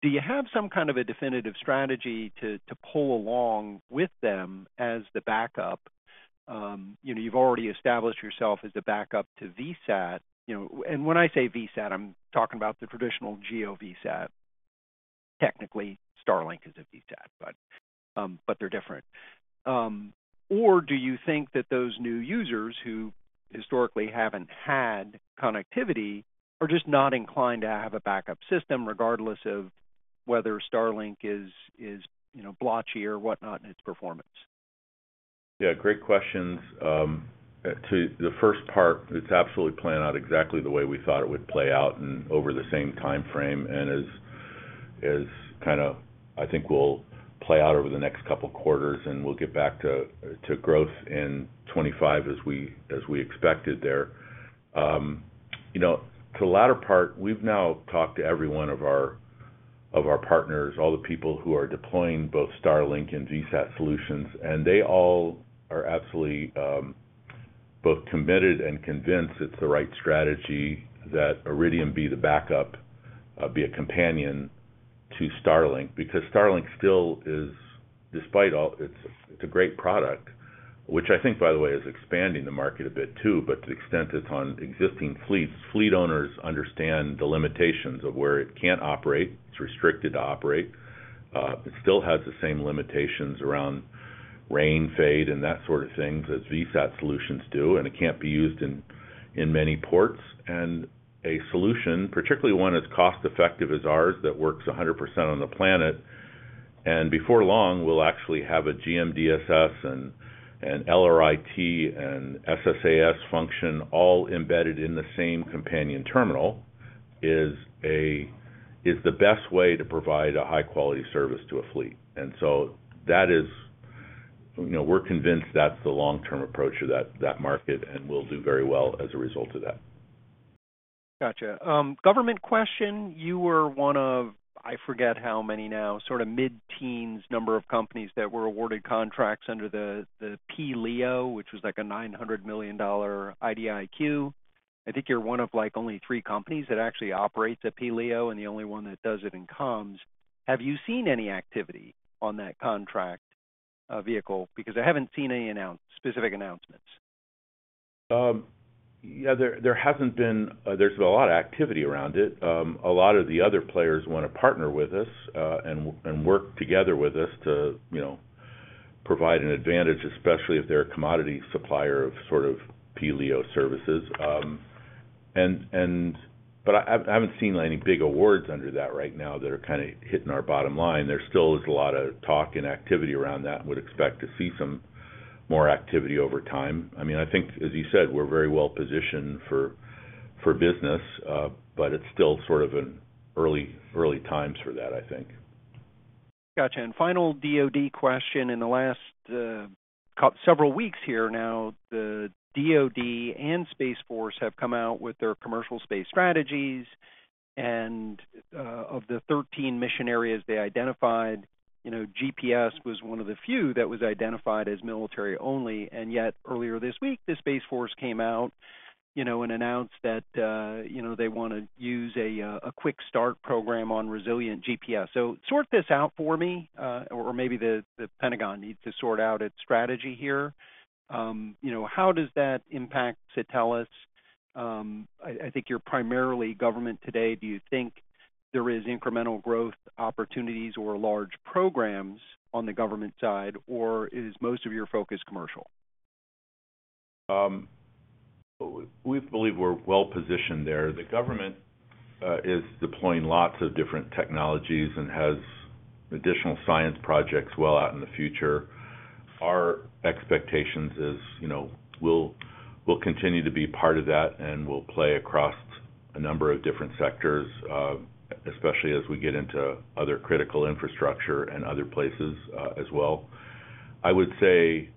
do you have some kind of a definitive strategy to, to pull along with them as the backup? You know, you've already established yourself as the backup to VSAT, you know. And when I say VSAT, I'm talking about the traditional GEO VSAT. Technically, Starlink is a VSAT, but, but they're different. Or do you think that those new users who historically haven't had connectivity are just not inclined to have a backup system, regardless of whether Starlink is, you know, blotchy or whatnot in its performance? Yeah, great questions. To the first part, it's absolutely playing out exactly the way we thought it would play out and over the same timeframe, is kind of, I think, will play out over the next couple quarters, and we'll get back to growth in 2025 as we expected there. You know, to the latter part, we've now talked to every one of our partners, all the people who are deploying both Starlink and VSAT solutions, and they all are absolutely both committed and convinced it's the right strategy that Iridium be the backup, be a companion to Starlink. Because Starlink still is, despite all, it's, it's a great product, which I think, by the way, is expanding the market a bit, too. But to the extent it's on existing fleets, fleet owners understand the limitations of where it can't operate. It's restricted to operate. It still has the same limitations around rain fade and that sort of things, as VSAT solutions do, and it can't be used in many ports. And a solution, particularly one that's cost-effective as ours, that works 100% on the planet, and before long, we'll actually have a GMDSS and LRIT and SSAS function all embedded in the same companion terminal, is the best way to provide a high-quality service to a fleet. And so that is... You know, we're convinced that's the long-term approach to that market, and we'll do very well as a result of that. Gotcha. Government question: you were one of, I forget how many now, sort of mid-teens number of companies that were awarded contracts under the, the P-LEO, which was, like, a $900 million IDIQ. I think you're one of, like, only three companies that actually operates a P-LEO, and the only one that does it in comms. Have you seen any activity on that contract vehicle? Because I haven't seen any announced specific announcements. Yeah, there hasn't been. There's a lot of activity around it. A lot of the other players wanna partner with us, and work together with us to, you know, provide an advantage, especially if they're a commodity supplier of sort of P-LEO services. But I haven't seen any big awards under that right now that are kinda hitting our bottom line. There still is a lot of talk and activity around that, and would expect to see some more activity over time. I mean, I think, as you said, we're very well positioned for business, but it's still sort of in early times for that, I think. Gotcha, and final DoD question. In the last several weeks here now, the DoD and Space Force have come out with their commercial space strategies, and of the 13 mission areas they identified, you know, GPS was one of the few that was identified as military only, and yet earlier this week, the Space Force came out, you know, and announced that, you know, they wanna use a Quick Start program on resilient GPS. So sort this out for me, or maybe the Pentagon needs to sort out its strategy here. You know, how does that impact Satelles? I think you're primarily government today. Do you think there is incremental growth opportunities or large programs on the government side, or is most of your focus commercial? We believe we're well positioned there. The government is deploying lots of different technologies and has additional science projects well out in the future. Our expectations is, you know, we'll, we'll continue to be part of that, and we'll play across a number of different sectors, especially as we get into other critical infrastructure and other places, as well. I would say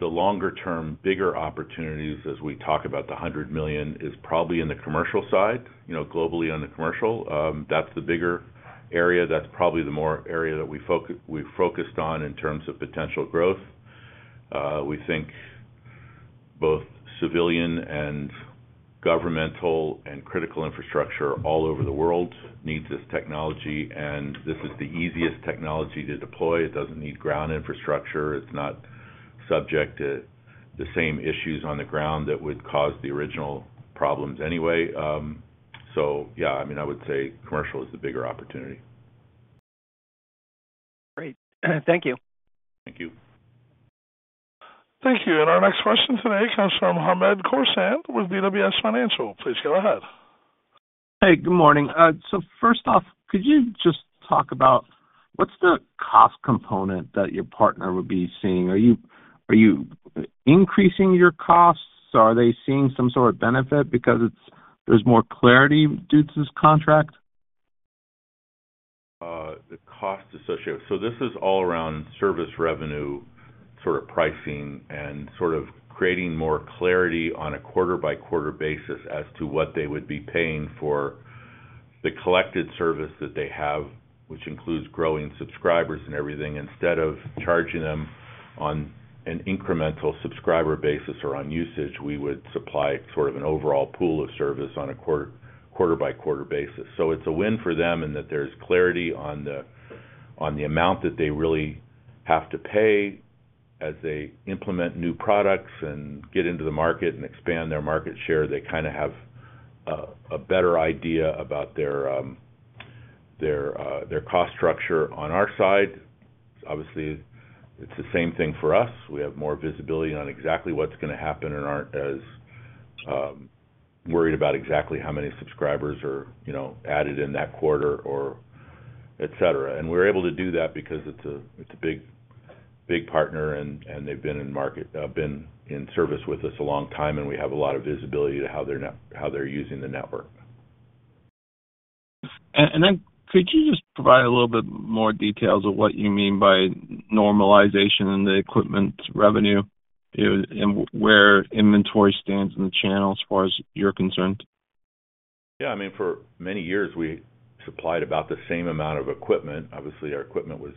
the longer-term, bigger opportunities, as we talk about the $100 million, is probably in the commercial side, you know, globally on the commercial. That's the bigger area. That's probably the more area that we've focused on in terms of potential growth. We think both civilian and governmental and critical infrastructure all over the world needs this technology, and this is the easiest technology to deploy. It doesn't need ground infrastructure. It's not subject to the same issues on the ground that would cause the original problems anyway. So yeah, I mean, I would say commercial is the bigger opportunity. Great. Thank you. Thank you. Thank you, and our next question today comes from Hamed Khorsand with BWS Financial. Please go ahead. Hey, good morning. So first off, could you just talk about what's the cost component that your partner would be seeing? Are you, are you increasing your costs? Are they seeing some sort of benefit because it's, there's more clarity due to this contract? The cost associated. So this is all around service revenue, sort of pricing and sort of creating more clarity on a quarter-by-quarter basis as to what they would be paying for the collected service that they have, which includes growing subscribers and everything. Instead of charging them on an incremental subscriber basis or on usage, we would supply sort of an overall pool of service on a quarter, quarter-by-quarter basis. So it's a win for them, and that there's clarity on the amount that they really have to pay as they implement new products and get into the market and expand their market share. They kinda have a better idea about their cost structure. On our side, obviously, it's the same thing for us. We have more visibility on exactly what's gonna happen and aren't as worried about exactly how many subscribers are, you know, added in that quarter or et cetera. We're able to do that because it's a big partner, and they've been in service with us a long time, and we have a lot of visibility to how they're using the network. Could you just provide a little bit more details of what you mean by normalization in the equipment revenue, and where inventory stands in the channel as far as you're concerned? Yeah, I mean, for many years, we supplied about the same amount of equipment. Obviously, our equipment was,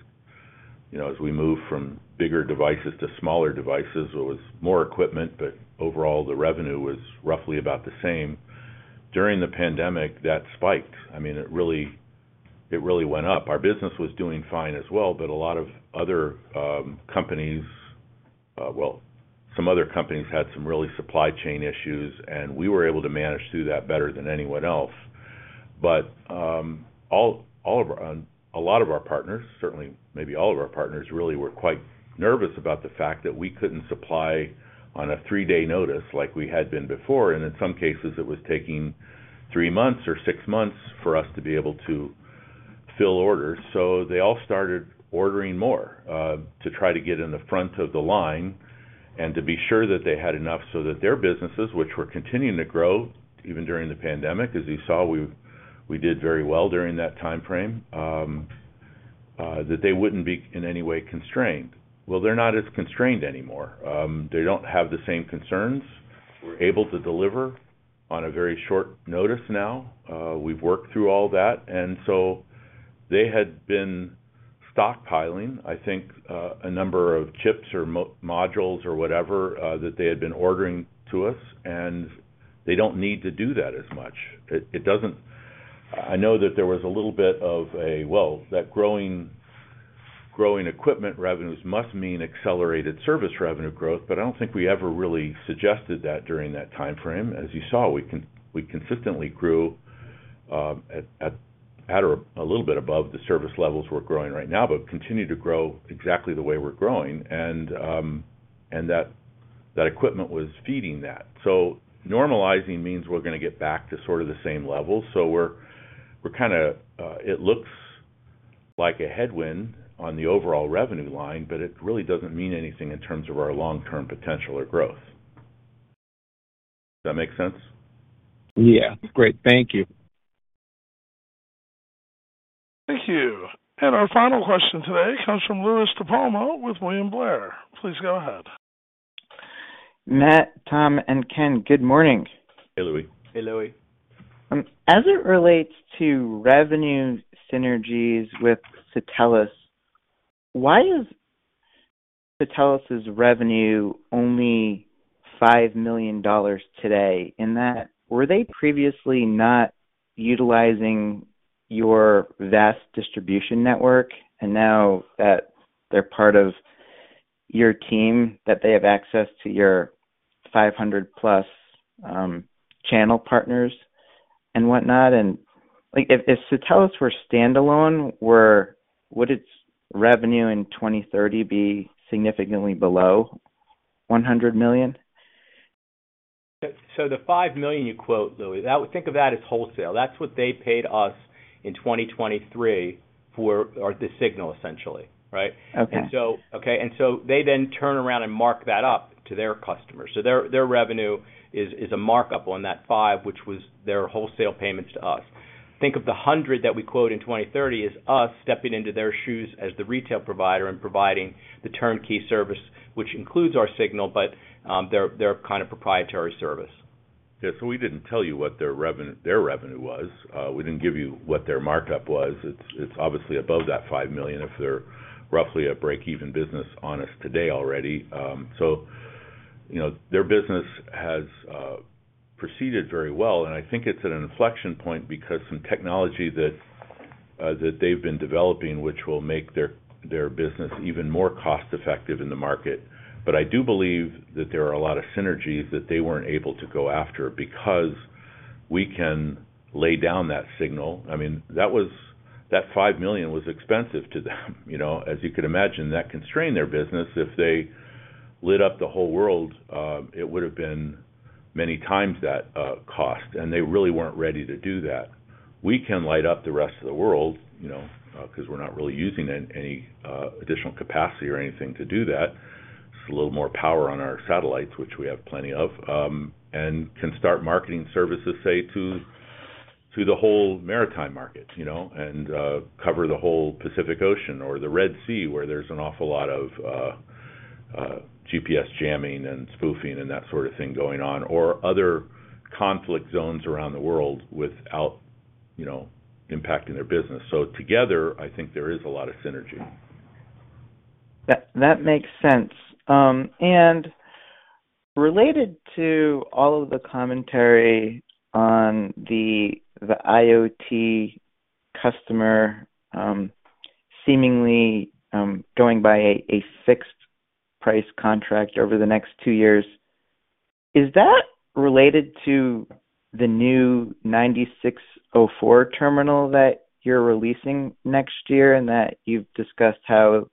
you know, as we moved from bigger devices to smaller devices, it was more equipment, but overall, the revenue was roughly about the same. During the pandemic, that spiked. I mean, it really, it really went up. Our business was doing fine as well, but a lot of other, companies, well, some other companies had some really supply chain issues, and we were able to manage through that better than anyone else. But, all, all of our, a lot of our partners, certainly maybe all of our partners, really were quite nervous about the fact that we couldn't supply on a three-day notice like we had been before, and in some cases, it was taking three months or six months for us to be able to fill orders. So they all started ordering more to try to get in the front of the line and to be sure that they had enough so that their businesses, which were continuing to grow, even during the pandemic, as you saw, we did very well during that time frame that they wouldn't be in any way constrained. Well, they're not as constrained anymore. They don't have the same concerns. We're able to deliver on a very short notice now. We've worked through all that, and so they had been stockpiling, I think, a number of chips or modules or whatever that they had been ordering to us, and they don't need to do that as much. It doesn't... I know that there was a little bit of a, well, that growing equipment revenues must mean accelerated service revenue growth, but I don't think we ever really suggested that during that time frame. As you saw, we consistently grew at or a little bit above the service levels we're growing right now, but continue to grow exactly the way we're growing. And that equipment was feeding that. So normalizing means we're gonna get back to sort of the same level. So we're kinda it looks like a headwind on the overall revenue line, but it really doesn't mean anything in terms of our long-term potential or growth. Does that make sense? Yeah. Great. Thank you. Thank you. Our final question today comes from Louie DiPalma with William Blair. Please go ahead. Matt, Tom, and Ken, good morning. Hey, Louie. Hey, Louie. As it relates to revenue synergies with Satelles, why is Satelles' revenue only $5 million today? In that, were they previously not utilizing your vast distribution network, and now that they're part of your team, that they have access to your 500+ channel partners and whatnot? And, like, if Satelles were standalone, would its revenue in 2030 be significantly below $100 million? So the $5 million you quote, Louie, that, think of that as wholesale. That's what they paid us in 2023 for the signal, essentially, right? Okay. Okay, and so they then turn around and mark that up to their customers. So their revenue is a markup on that $5, which was their wholesale payments to us. Think of the $100 that we quote in 2030 as us stepping into their shoes as the retail provider and providing the turnkey service, which includes our signal, but their kind of proprietary service. Yeah, so we didn't tell you what their revenue was. We didn't give you what their markup was. It's obviously above that $5 million if they're roughly a break-even business on us today already. So, you know, their business has proceeded very well, and I think it's at an inflection point because some technology that they've been developing, which will make their business even more cost-effective in the market. But I do believe that there are a lot of synergies that they weren't able to go after because we can lay down that signal. I mean, that $5 million was expensive to them, you know? As you could imagine, that constrained their business. If they lit up the whole world, it would have been many times that cost, and they really weren't ready to do that. We can light up the rest of the world, you know, 'cause we're not really using any additional capacity or anything to do that. Just a little more power on our satellites, which we have plenty of, and can start marketing services, say, to the whole maritime market, you know, and cover the whole Pacific Ocean or the Red Sea, where there's an awful lot of GPS jamming and spoofing and that sort of thing going on, or other conflict zones around the world without, you know, impacting their business. So together, I think there is a lot of synergy. That, that makes sense. And related to all of the commentary on the, the IoT customer, seemingly, going by a, a fixed price contract over the next two years, is that related to the new 9604 terminal that you're releasing next year, and that you've discussed how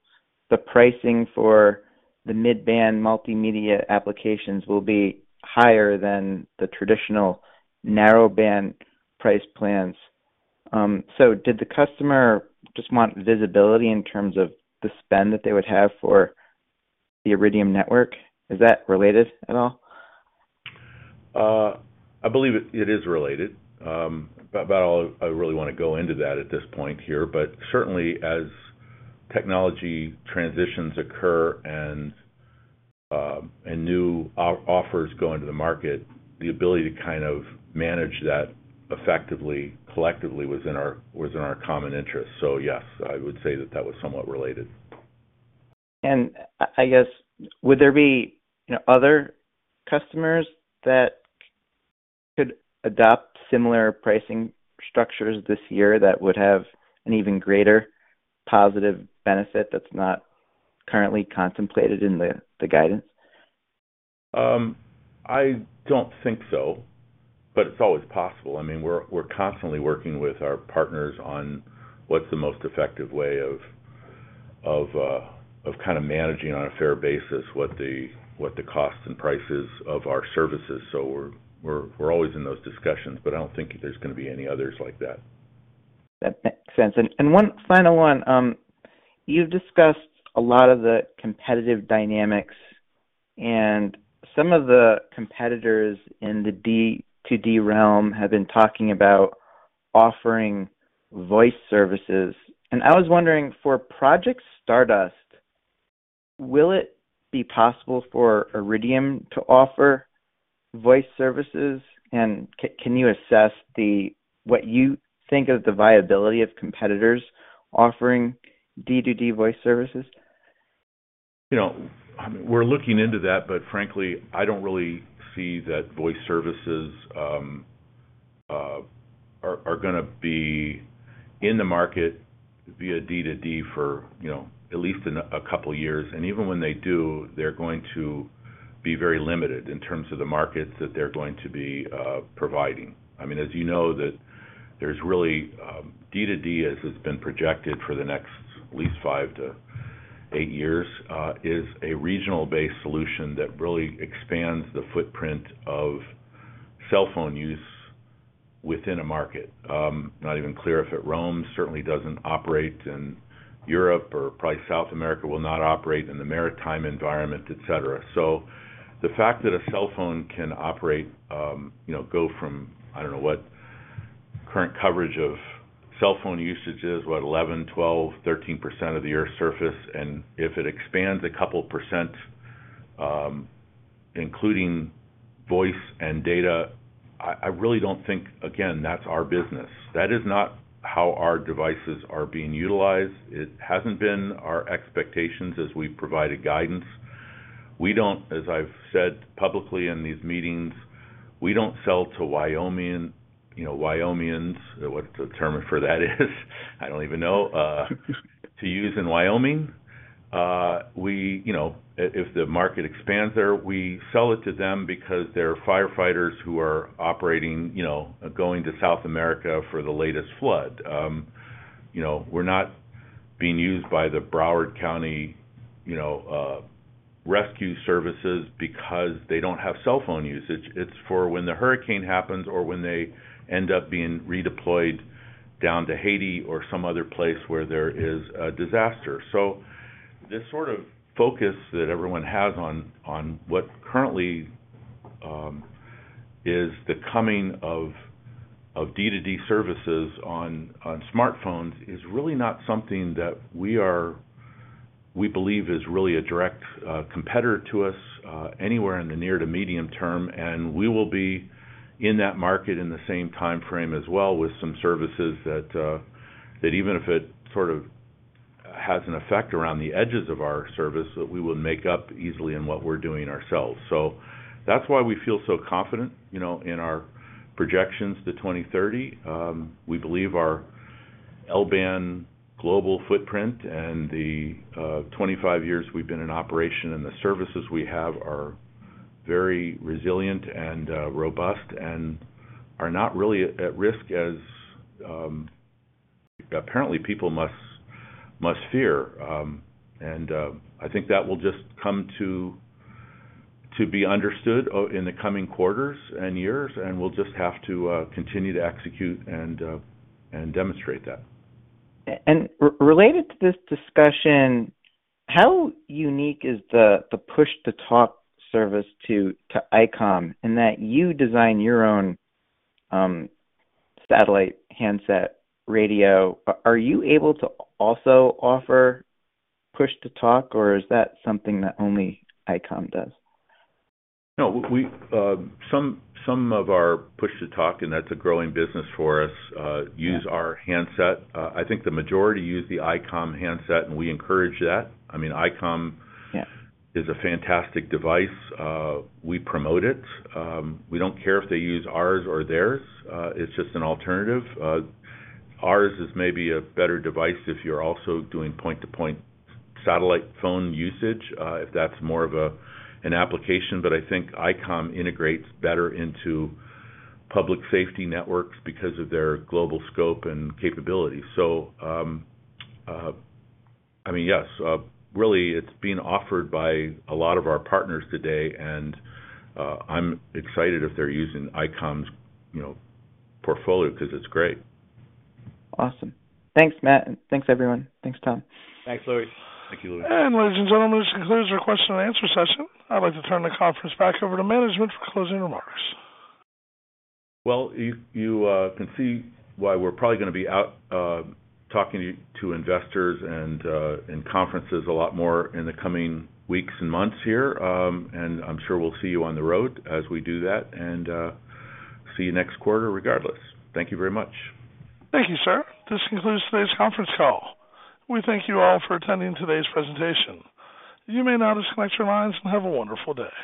the pricing for the Midband multimedia applications will be higher than the traditional narrowband price plans? So, did the customer just want visibility in terms of the spend that they would have for the Iridium network? Is that related at all? I believe it is related, but about all, I really want to go into that at this point here. But certainly, as technology transitions occur and, and new offers go into the market, the ability to kind of manage that effectively, collectively was in our common interest. So, yes, I would say that that was somewhat related. I guess, would there be, you know, other customers that could adopt similar pricing structures this year that would have an even greater positive benefit that's not currently contemplated in the guidance? I don't think so, but it's always possible. I mean, we're constantly working with our partners on what's the most effective way of kind of managing on a fair basis, what the costs and prices of our services. So we're always in those discussions, but I don't think there's gonna be any others like that. That makes sense. And one final one. You've discussed a lot of the competitive dynamics, and some of the competitors in the D2D realm have been talking about offering voice services. And I was wondering, for Project Stardust, will it be possible for Iridium to offer voice services? And can you assess what you think of the viability of competitors offering D2D voice services? You know, we're looking into that, but frankly, I don't really see that voice services are gonna be in the market via D2D for, you know, at least in a couple of years. And even when they do, they're going to be very limited in terms of the markets that they're going to be providing. I mean, as you know, that there's really D2D, as it's been projected for the next at least 5-8 years, is a regional-based solution that really expands the footprint of cell phone use within a market. Not even clear if it roams, certainly doesn't operate in Europe or probably South America, will not operate in the maritime environment, et cetera. So the fact that a cell phone can operate, you know, go from, I don't know what current coverage of cell phone usage is, what? 11, 12, 13% of the Earth's surface, and if it expands a couple of percent, including voice and data, I really don't think, again, that's our business. That is not how our devices are being utilized. It hasn't been our expectations as we provided guidance. We don't, as I've said publicly in these meetings, we don't sell to Wyoming, you know, Wyomingians, whatever the term for that is, I don't even know, to use in Wyoming. We, you know, if the market expands there, we sell it to them because they're firefighters who are operating, you know, going to South America for the latest flood. You know, we're not being used by the Broward County, you know, rescue services because they don't have cell phone usage. It's for when the hurricane happens or when they end up being redeployed down to Haiti or some other place where there is a disaster. So this sort of focus that everyone has on what currently is the coming of D2D services on smartphones is really not something that we are—we believe is really a direct competitor to us anywhere in the near to medium term, and we will be in that market in the same time frame as well, with some services that even if it sort of has an effect around the edges of our service, that we would make up easily in what we're doing ourselves. So that's why we feel so confident, you know, in our projections to 2030. We believe our L-band global footprint and the 25 years we've been in operation, and the services we have are very resilient and robust and are not really at risk as apparently people must fear. And I think that will just come to be understood in the coming quarters and years, and we'll just have to continue to execute and demonstrate that. Related to this discussion, how unique is the push-to-talk service to Icom, in that you design your own satellite handset radio? Are you able to also offer push-to-talk, or is that something that only Icom does? No, some of our push-to-talk, and that's a growing business for us. Yeah. - use our handset. I think the majority use the Icom handset, and we encourage that. I mean, Icom- Yeah is a fantastic device. We promote it. We don't care if they use ours or theirs, it's just an alternative. Ours is maybe a better device if you're also doing point-to-point satellite phone usage, if that's more of an application. But I think Icom integrates better into public safety networks because of their global scope and capabilities. So, I mean, yes, really, it's being offered by a lot of our partners today, and I'm excited if they're using Icom's, you know, portfolio because it's great. Awesome. Thanks, Matt, and thanks, everyone. Thanks, Tom. Thanks, Louie. Thank you, Louie. Ladies and gentlemen, this concludes our question and answer session. I'd like to turn the conference back over to management for closing remarks. Well, you can see why we're probably gonna be out talking to investors and in conferences a lot more in the coming weeks and months here. I'm sure we'll see you on the road as we do that, and see you next quarter regardless. Thank you very much. Thank you, sir. This concludes today's conference call. We thank you all for attending today's presentation. You may now disconnect your lines, and have a wonderful day.